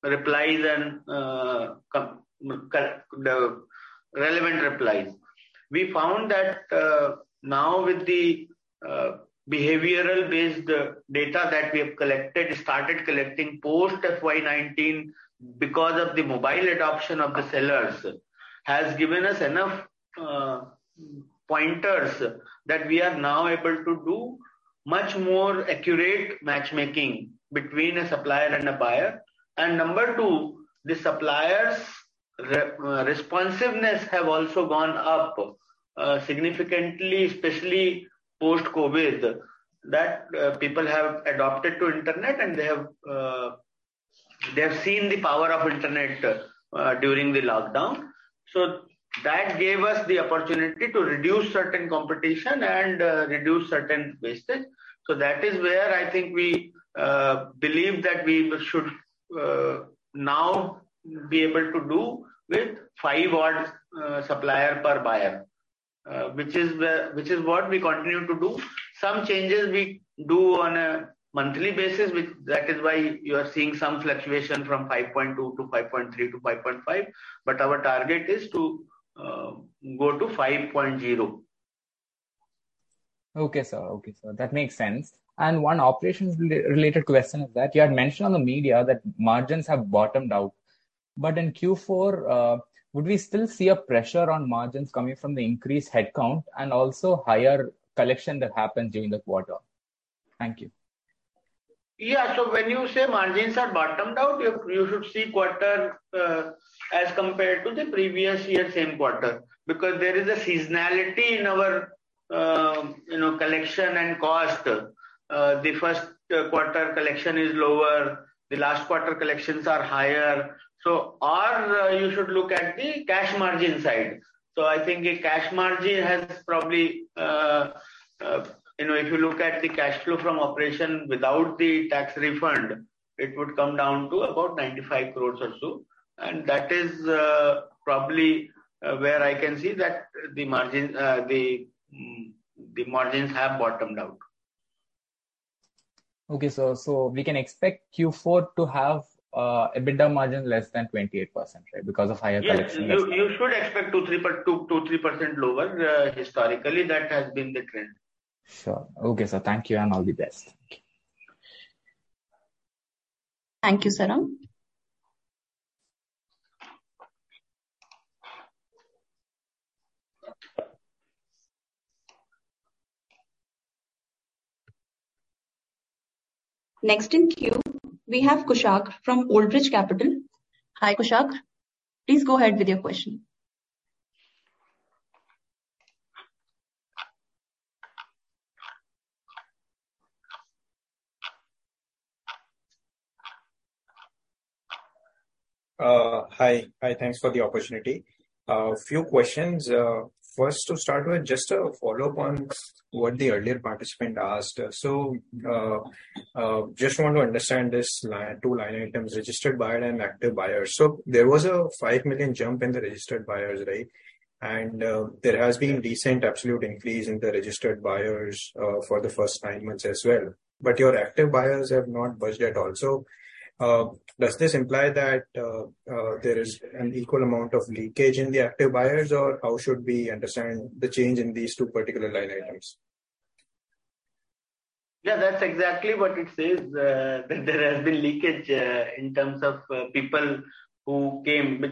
Speaker 2: replies and the relevant replies. We found that, now with the behavioral based data that we have collected, started collecting post FY19 because of the mobile adoption of the sellers, has given us enough pointers that we are now able to do much more accurate matchmaking between a supplier and a buyer. Number two, the suppliers responsiveness have also gone up significantly, especially post-COVID, that people have adopted to internet and they have seen the power of internet during the lockdown. That gave us the opportunity to reduce certain competition and reduce certain wastage. That is where I think we believe that we should now be able to do with five odd supplier per buyer, which is what we continue to do. Some changes we do on a monthly basis, which that is why you are seeing some fluctuation from 5.2 to 5.3 to 5.5, but our target is to go to 5.0.
Speaker 14: Okay, sir. Okay, sir, that makes sense. One operations related question is that you had mentioned on the media that margins have bottomed out. In Q4, would we still see a pressure on margins coming from the increased headcount and also higher collection that happened during the quarter? Thank you.
Speaker 2: Yeah. When you say margins have bottomed out, you should see quarter, as compared to the previous year same quarter, because there is a seasonality in our, you know, collection and cost. The Q1 collection is lower, the last quarter collections are higher. You should look at the cash margin side. I think the cash margin has probably, you know, if you look at the cash flow from operation without the tax refund, it would come down to about 95 crores or so. That is probably where I can see that the margin, the margins have bottomed out.
Speaker 14: Okay, sir. We can expect Q4 to have EBITDA margin less than 28%, right? Because of higher collections.
Speaker 2: Yes. You should expect 2-3% lower. Historically, that has been the trend.
Speaker 14: Sure. Okay, sir. Thank you, and all the best. Thank you.
Speaker 5: Thank you, Sarang. Next in queue, we have Kushagra from Old Bridge Capital. Hi, Kushagra. Please go ahead with your question.
Speaker 15: Hi. Hi, thanks for the opportunity. A few questions. First to start with just a follow-up on what the earlier participant asked. Just want to understand this line, two line items, registered buyer and active buyer. There was a 5 million jump in the registered buyers, right? There has been recent absolute increase in the registered buyers, for the first nine months as well. Your active buyers have not budged at all. Does this imply that there is an equal amount of leakage in the active buyers, or how should we understand the change in these two particular line items?
Speaker 2: Yeah, that's exactly what it says, that there has been leakage in terms of people who came.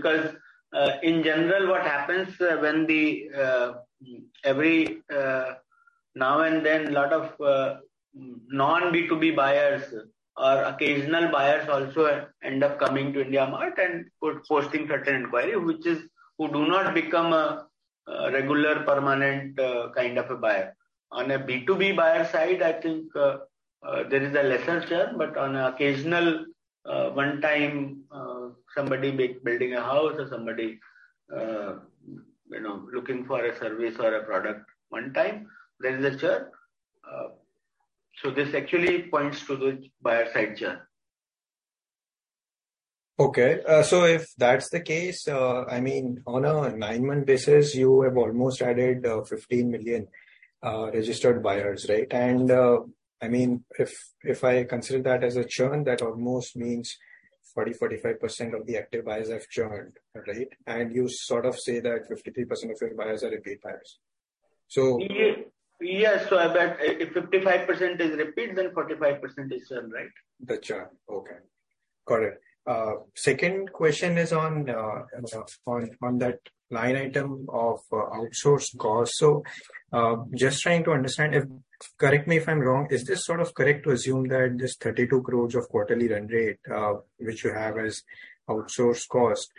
Speaker 2: In general what happens when the every now and then lot of non B2B buyers or occasional buyers also end up coming to IndiaMART and post-posting certain inquiry, which is who do not become a regular permanent kind of a buyer. On a B2B buyer side, I think, there is a lesser churn, but on occasional, one time, somebody bui-building a house or somebody, you know, looking for a service or a product one time, there is a churn. This actually points to the buyer side churn.
Speaker 15: Okay. If that's the case, I mean, on a nine-month basis, you have almost added, 15 million, registered buyers, right? I mean, if I consider that as a churn, that almost means 40%-45% of the active buyers have churned, right? You sort of say that 53% of your buyers are repeat buyers.
Speaker 2: Yes. If that if 55% is repeat, then 45% is churn, right?
Speaker 15: The churn. Okay. Got it. Second question is on that line item of outsourced cost. Just trying to understand if. Correct me if I'm wrong, is this sort of correct to assume that this 32 crore of quarterly run rate, which you have as outsourced cost,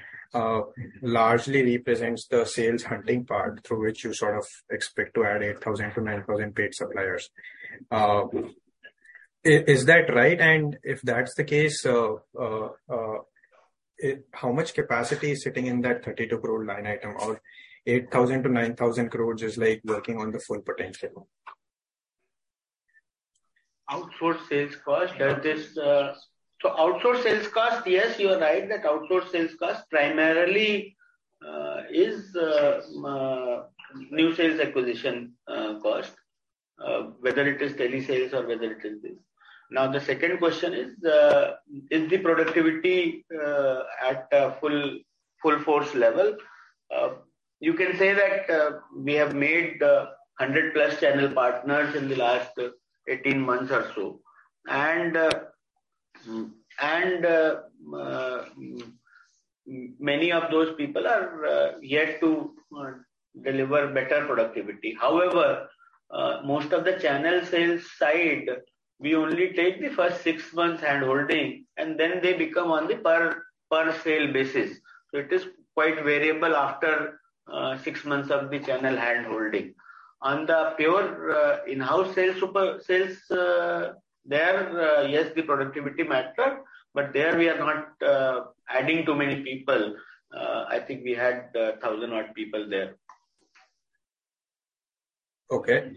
Speaker 15: largely represents the sales hunting part through which you sort of expect to add 8,000-9,000 paid suppliers? Is that right? If that's the case, how much capacity is sitting in that 32 crore line item or 8,000 crore-9,000 crore is, like, working on the full potential?
Speaker 2: Outsourced sales cost, that is. Outsourced sales cost, yes, you are right. That outsourced sales cost primarily is new sales acquisition cost, whether it is telesales or whether it is this. Now the second question is the productivity at full force level? You can say that we have made 100+ channel partners in the last 18 months or so. Many of those people are yet to deliver better productivity. Most of the channel sales side, we only take the first six months handholding, and then they become on the per sale basis. It is quite variable after six months of the channel handholding. On the pure, in-house sales, super sales, there, yes, the productivity matters, but there we are not, adding too many people. I think we had, 1,000 odd people there.
Speaker 15: Okay.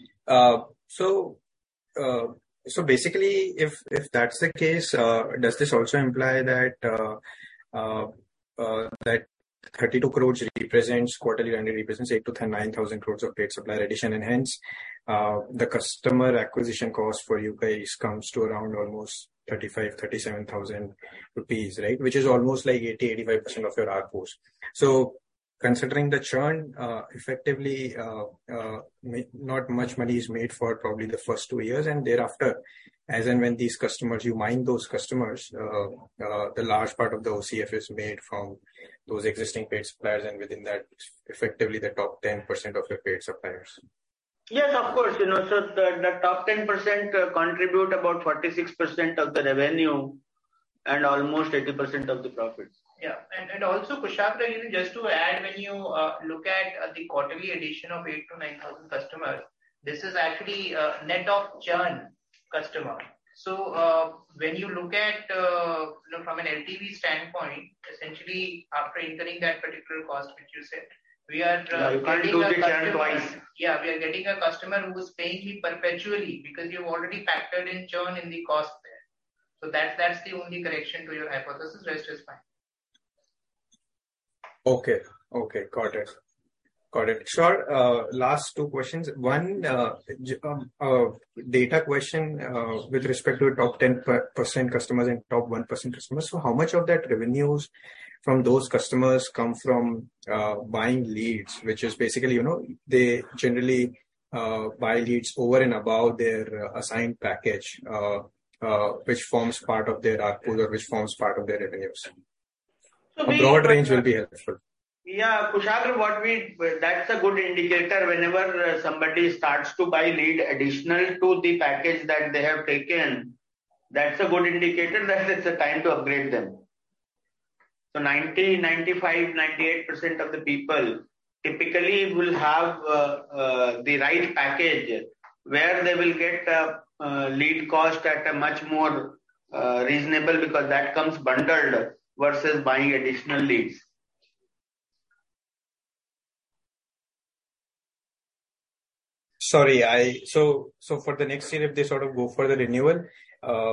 Speaker 15: Basically if that's the case, does this also imply that 32 crores represents quarterly run rate represents 8-10, 9,000 crores of paid supplier addition, and hence, the customer acquisition cost for you guys comes to around almost 35,000-37,000 rupees, right? Which is almost like 80%-85% of your ARPU. Considering the churn, effectively, not much money is made for probably the first two years, and thereafter, as and when these customers, you mine those customers, the large part of the OCF is made from those existing paid suppliers, and within that effectively the top 10% of your paid suppliers.
Speaker 2: Yes, of course. You know, the top 10% contribute about 46% of the revenue and almost 80% of the profits.
Speaker 4: Yeah. Also Kushagra, you know, just to add, when you look at the quarterly addition of 8,000-9,000 customers, this is actually net of churn customer. When you look at, you know, from an LTV standpoint, essentially after entering that particular cost which you said, we are getting a customer.
Speaker 2: You are paying to churn twice.
Speaker 4: Yeah. We are getting a customer who is paying you perpetually because you've already factored in churn in the cost there. That's the only correction to your hypothesis. Rest is fine.
Speaker 15: Okay. Okay. Got it. Got it. Shar, last two questions. One, data question, with respect to top 10% customers and top 1% customers. How much of that revenues from those customers come from buying leads, which is basically, you know, they generally, buy leads over and above their assigned package, which forms part of their ARPU or which forms part of their revenues?
Speaker 2: So we-
Speaker 15: A broad range will be helpful.
Speaker 2: Yeah. Kushagra, what we, that's a good indicator. Whenever somebody starts to buy lead additional to the package that they have taken, that's a good indicator that it's a time to upgrade them. 90%, 95%, 98% of the people typically will have the right package where they will get lead cost at a much more reasonable because that comes bundled versus buying additional leads.
Speaker 15: Sorry, for the next year, if they sort of go for the renewal,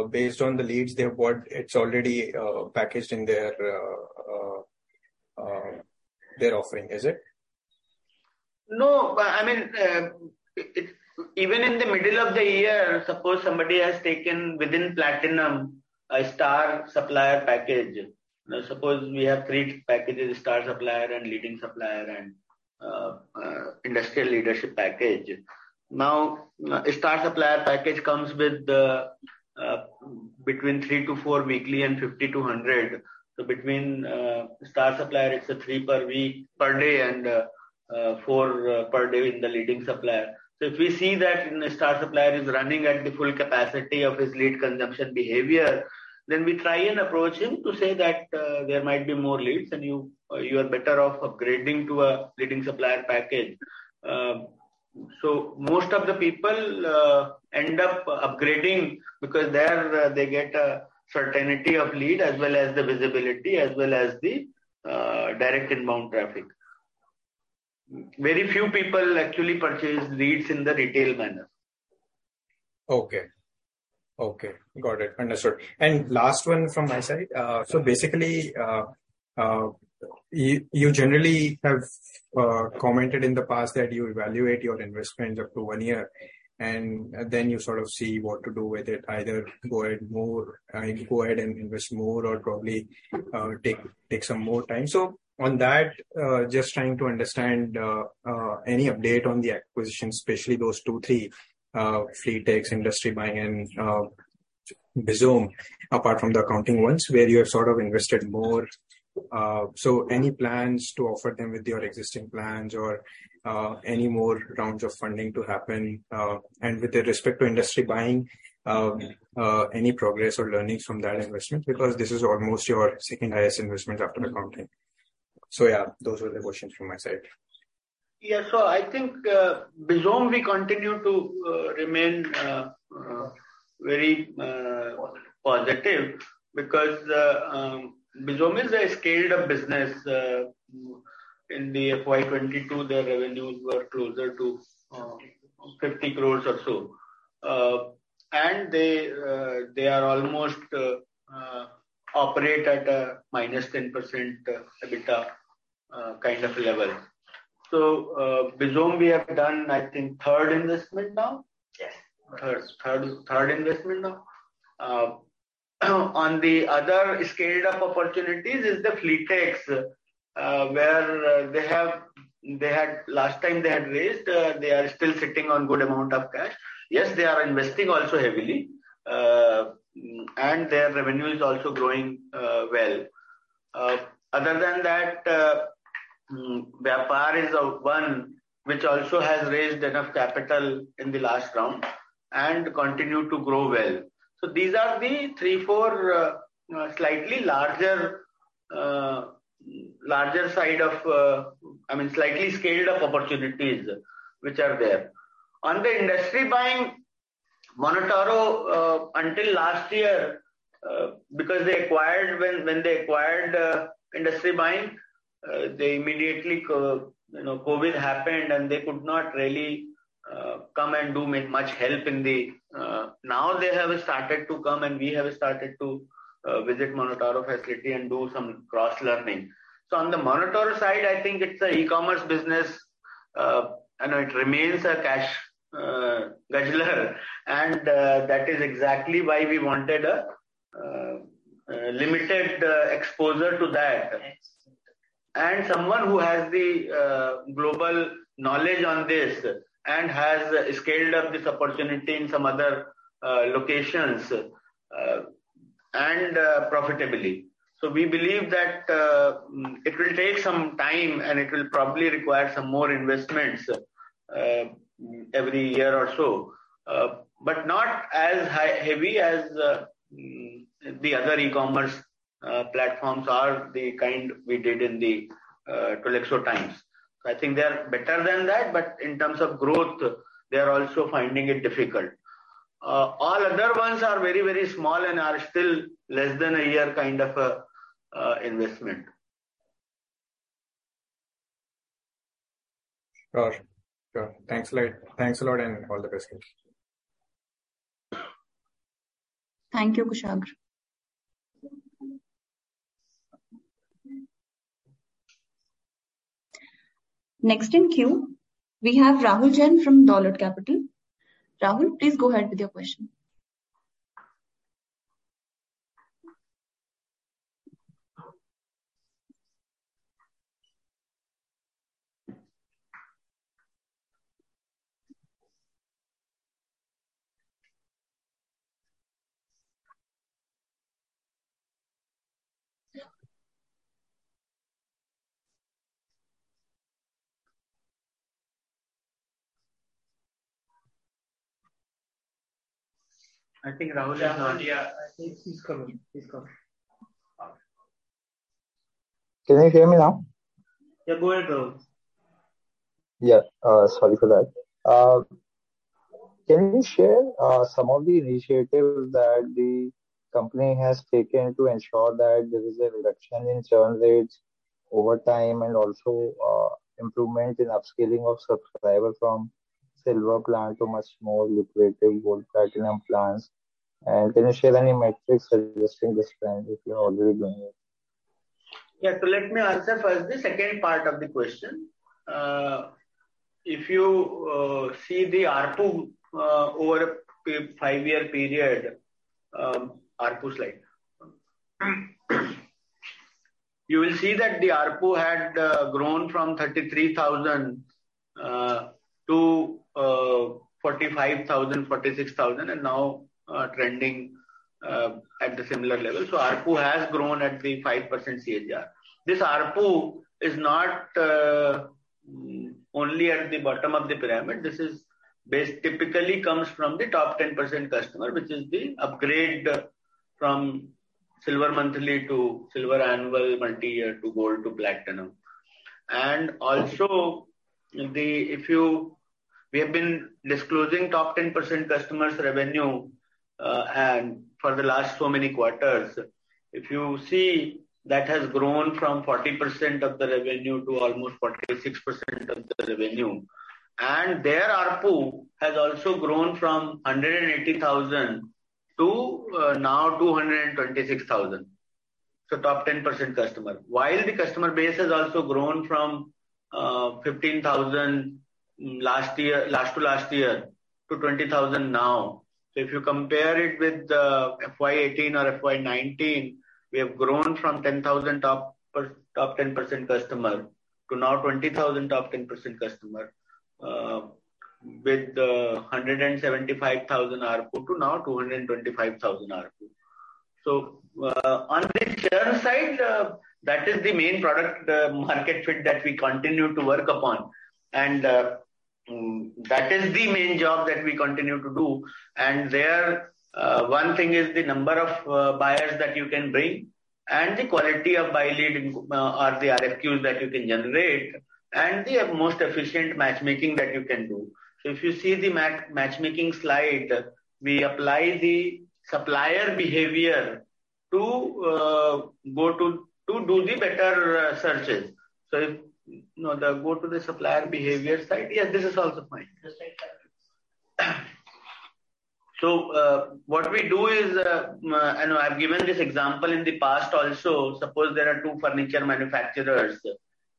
Speaker 15: based on the leads they have bought, it's already packaged in their their offering. Is it?
Speaker 2: No. Even in the middle of the year, suppose somebody has taken within Platinum a Star Supplier package. Now suppose we have three packages, Star Supplier and Leading Supplier and Industrial Leadership package. Now, Star Supplier package comes with between 3-4 weekly and 50-100. Between Star Supplier it's a three per week, per day and four per day in the Leading Supplier. If we see that Star Supplier is running at the full capacity of his lead consumption behavior, then we try and approach him to say that there might be more leads and you are better off upgrading to a Leading Supplier package. Most of the people end up upgrading because there they get a certainty of lead as well as the visibility, as well as the direct inbound traffic. Very few people actually purchase leads in the retail manner.
Speaker 15: Okay. Okay. Got it. Understood. Last one from my side. Basically, you generally have commented in the past that you evaluate your investments up to one year, and then you sort of see what to do with it. Either go ahead more, I mean, go ahead and invest more or probably, take some more time. On that, just trying to understand, any update on the acquisitions, especially those two, three, Fleetx.io, IndustryBuying, Bizom, apart from the accounting ones, where you have sort of invested more. Any plans to offer them with your existing plans or, any more rounds of funding to happen? With respect to IndustryBuying, any progress or learnings from that investment? Because this is almost your second highest investment after accounting. Yeah, those were the questions from my side.
Speaker 2: Yeah. I think, Bizom we continue to remain very positive because Bizom is a scaled-up business. In the FY 22 their revenues were closer to 50 crores or so. They, they are almost operate at a minus 10% EBITDA kind of level. Bizom we have done I think 3rd investment now.
Speaker 4: Yes.
Speaker 2: hey have, they had, last time they had raised, they are still sitting on good amount of cash. Yes, they are investing also heavily, and their revenue is also growing well. Other than that, Vyapar is one which also has raised enough capital in the last round and continue to grow well. So these are the 3-4 slightly larger side of, I mean slightly scaled-up opportunities which are there. On the IndustryBuying, Monotaro, until last year, because they acquired when they acquired IndustryBuying, they immediately. You know, COVID happened and they could not really come and do much help in the. Now they have started to come and we have started to visit Monotaro facility and do some cross-learning. On the Monotaro side, I think it's a e-commerce business I know it remains a cash guzzler and that is exactly why we wanted a limited exposure to that.
Speaker 5: Yes.
Speaker 2: Someone who has the global knowledge on this and has scaled up this opportunity in some other locations and profitably. We believe that it will take some time and it will probably require some more investments every year or so, but not as hi-heavy as the other e-commerce platforms or the kind we did in the Tolexo times. I think they are better than that, but in terms of growth, they are also finding it difficult. All other ones are very, very small and are still less than a year kind of investment.
Speaker 15: Sure. Sure. Thanks a lot. Thanks a lot, and all the best.
Speaker 5: Thank you, Kushagra. Next in queue, we have Rahul Jain from Dolat Capital. Rahul, please go ahead with your question.
Speaker 2: I think Rahul is on-.
Speaker 5: Rahul, yeah. Please come in. Please come in.
Speaker 16: Can you hear me now?
Speaker 5: Yeah, go ahead, Rahul.
Speaker 16: Yeah. Sorry for that. Can you share some of the initiatives that the company has taken to ensure that there is a reduction in churn rates over time and also improvement in upscaling of subscriber from silver plan to much more lucrative gold platinum plans? Can you share any metrics suggesting this trend, if you have already done it?
Speaker 2: Let me answer first the second part of the question. If you see the ARPU over a 5-year period, ARPU slide you will see that the ARPU had grown from 33,000 to 45,000, 46,000, and now trending at the similar level. ARPU has grown at the 5% CAGR. This ARPU is not only at the bottom of the pyramid. This is typically comes from the top 10% customer, which is the upgrade from silver monthly to silver annual multiyear to gold to platinum. Also, we have been disclosing top 10% customers revenue and for the last so many quarters. If you see that has grown from 40% of the revenue to almost 46% of the revenue. Their ARPU has also grown from 180,000 to now 226,000. Top 10% customer. While the customer base has also grown from 15,000 last year, last to last year to 20,000 now. If you compare it with FY18 or FY19, we have grown from 10,000 top 10% customer to now 20,000 top 10% customer, with 175,000 ARPU to now 225,000 ARPU. On the churn side, that is the main product market fit that we continue to work upon. That is the main job that we continue to do. There, one thing is the number of buyers that you can bring and the quality of buy lead, or the RFQs that you can generate and the most efficient matchmaking that you can do. If you see the matchmaking slide, we apply the supplier behavior to do the better searches. If, no go to the supplier behavior slide. Yes, this is also fine.
Speaker 5: This slide.
Speaker 2: What we do is, and I've given this example in the past also. Suppose there are two furniture manufacturers,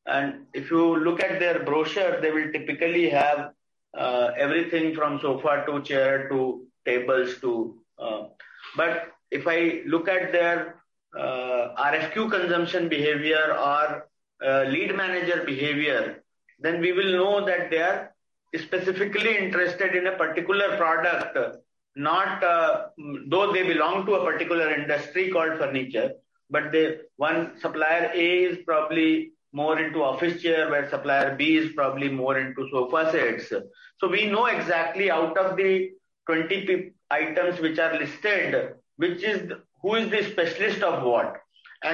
Speaker 2: and if you look at their brochure, they will typically have everything from sofa to chair to tables to. If I look at their RFQ consumption behavior or lead manager behavior, then we will know that they are specifically interested in a particular product, not, though they belong to a particular industry called furniture, but one supplier A is probably more into office chair, where supplier B is probably more into sofa sets. We know exactly out of the 20 items which are listed, who is the specialist of what.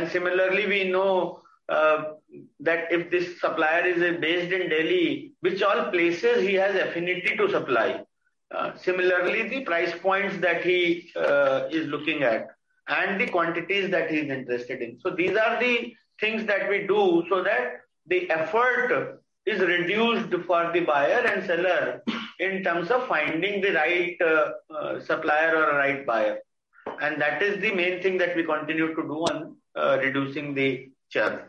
Speaker 2: Similarly we know that if this supplier is based in Delhi, which all places he has affinity to supply. Similarly, the price points that he is looking at and the quantities that he's interested in. These are the things that we do so that the effort is reduced for the buyer and seller in terms of finding the right supplier or right buyer. That is the main thing that we continue to do on reducing the churn.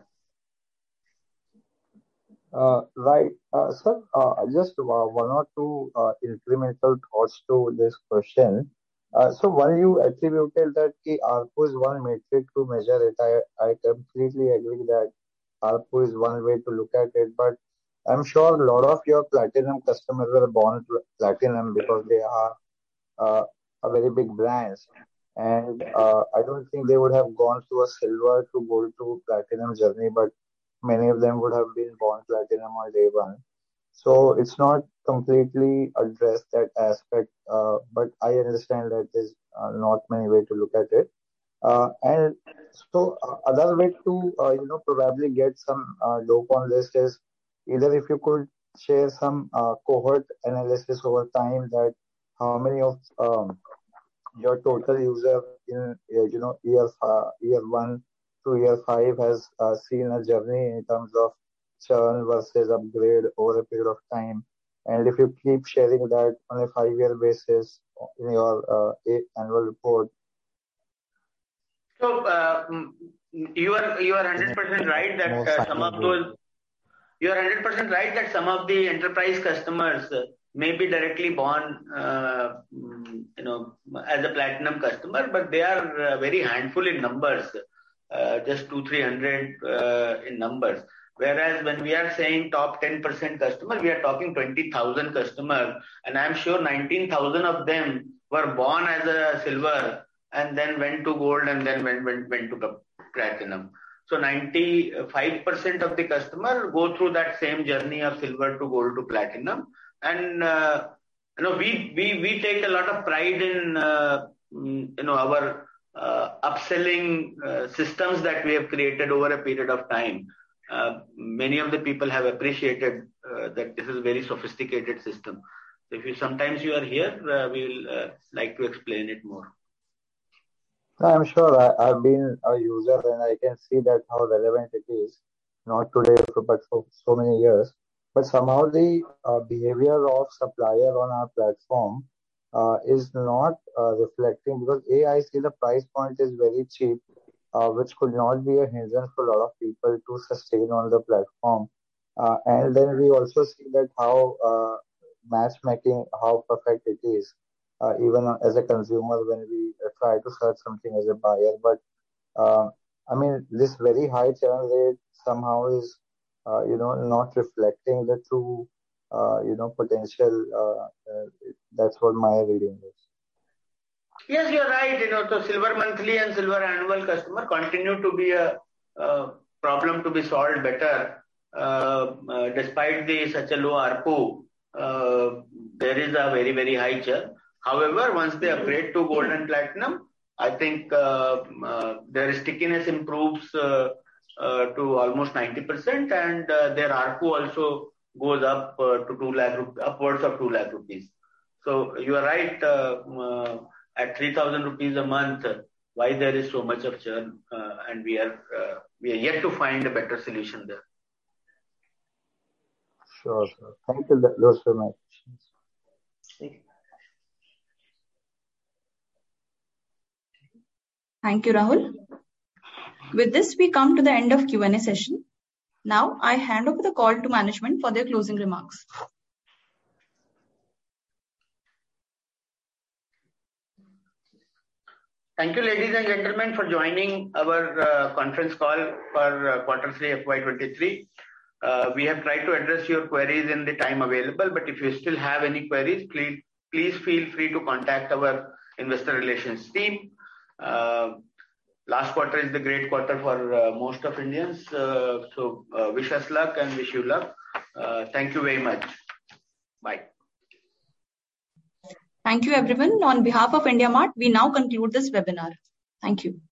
Speaker 16: Right, sir, just one or two incremental thoughts to this question. While you attributed that the ARPU is one metric to measure it, I completely agree that ARPU is one way to look at it. I'm sure a lot of your platinum customers were born platinum because they are a very big brands. I don't think they would have gone through a silver to gold to platinum journey, but many of them would have been born platinum on day one. It's not completely addressed that aspect, but I understand that there's not many way to look at it. Another way to, you know, probably get some, low on this is either if you could share some, cohort analysis over time, that how many of your total user in, you know, year 1 to year 5 has seen a journey in terms of churn versus upgrade over a period of time. If you keep sharing that on a 5-year basis in your annual report.
Speaker 2: You are 100% right that some of those. You are 100% right that some of the enterprise customers may be directly born, you know, as a platinum customer, but they are very handful in numbers. Just 200-300 in numbers. Whereas when we are saying top 10% customer, we are talking 20,000 customers, and I'm sure 19,000 of them were born as a silver and then went to gold and then went to platinum. 95% of the customer go through that same journey of silver to gold to platinum. You know, we take a lot of pride in, you know, our upselling systems that we have created over a period of time. Many of the people have appreciated that this is a very sophisticated system. If you sometimes are here, we'll like to explain it more.
Speaker 16: I'm sure. I've been a user, and I can see that how relevant it is, not today, but for so many years. Somehow the behavior of supplier on our platform is not reflecting because, A, I see the price point is very cheap, which could not be a hindrance for a lot of people to sustain on the platform. Then we also see that how matchmaking, how perfect it is, even as a consumer when we try to search something as a buyer. I mean, this very high churn rate somehow is, you know, not reflecting the true, you know, potential, that's what my reading is.
Speaker 2: Yes, you're right. You know, the silver monthly and silver annual customer continue to be a problem to be solved better. Despite the such a low ARPU, there is a very, very high churn. However, once they upgrade to gold and platinum, I think their stickiness improves to almost 90%. Their ARPU also goes up to upwards of 2 lakh rupees. You are right. At 3,000 rupees a month, why there is so much of churn? We are yet to find a better solution there.
Speaker 16: Sure, sir. Thank you. That was my questions.
Speaker 2: Thank you.
Speaker 5: Thank you, Rahul. With this, we come to the end of Q&A session. Now I hand over the call to management for their closing remarks.
Speaker 2: Thank you, ladies and gentlemen, for joining our conference call for quarter three FY23. We have tried to address your queries in the time available, if you still have any queries, please feel free to contact our investor relations team. Last quarter is the great quarter for most of Indians. Wish us luck and wish you luck. Thank you very much. Bye.
Speaker 5: Thank you, everyone. On behalf of IndiaMART, we now conclude this webinar. Thank you.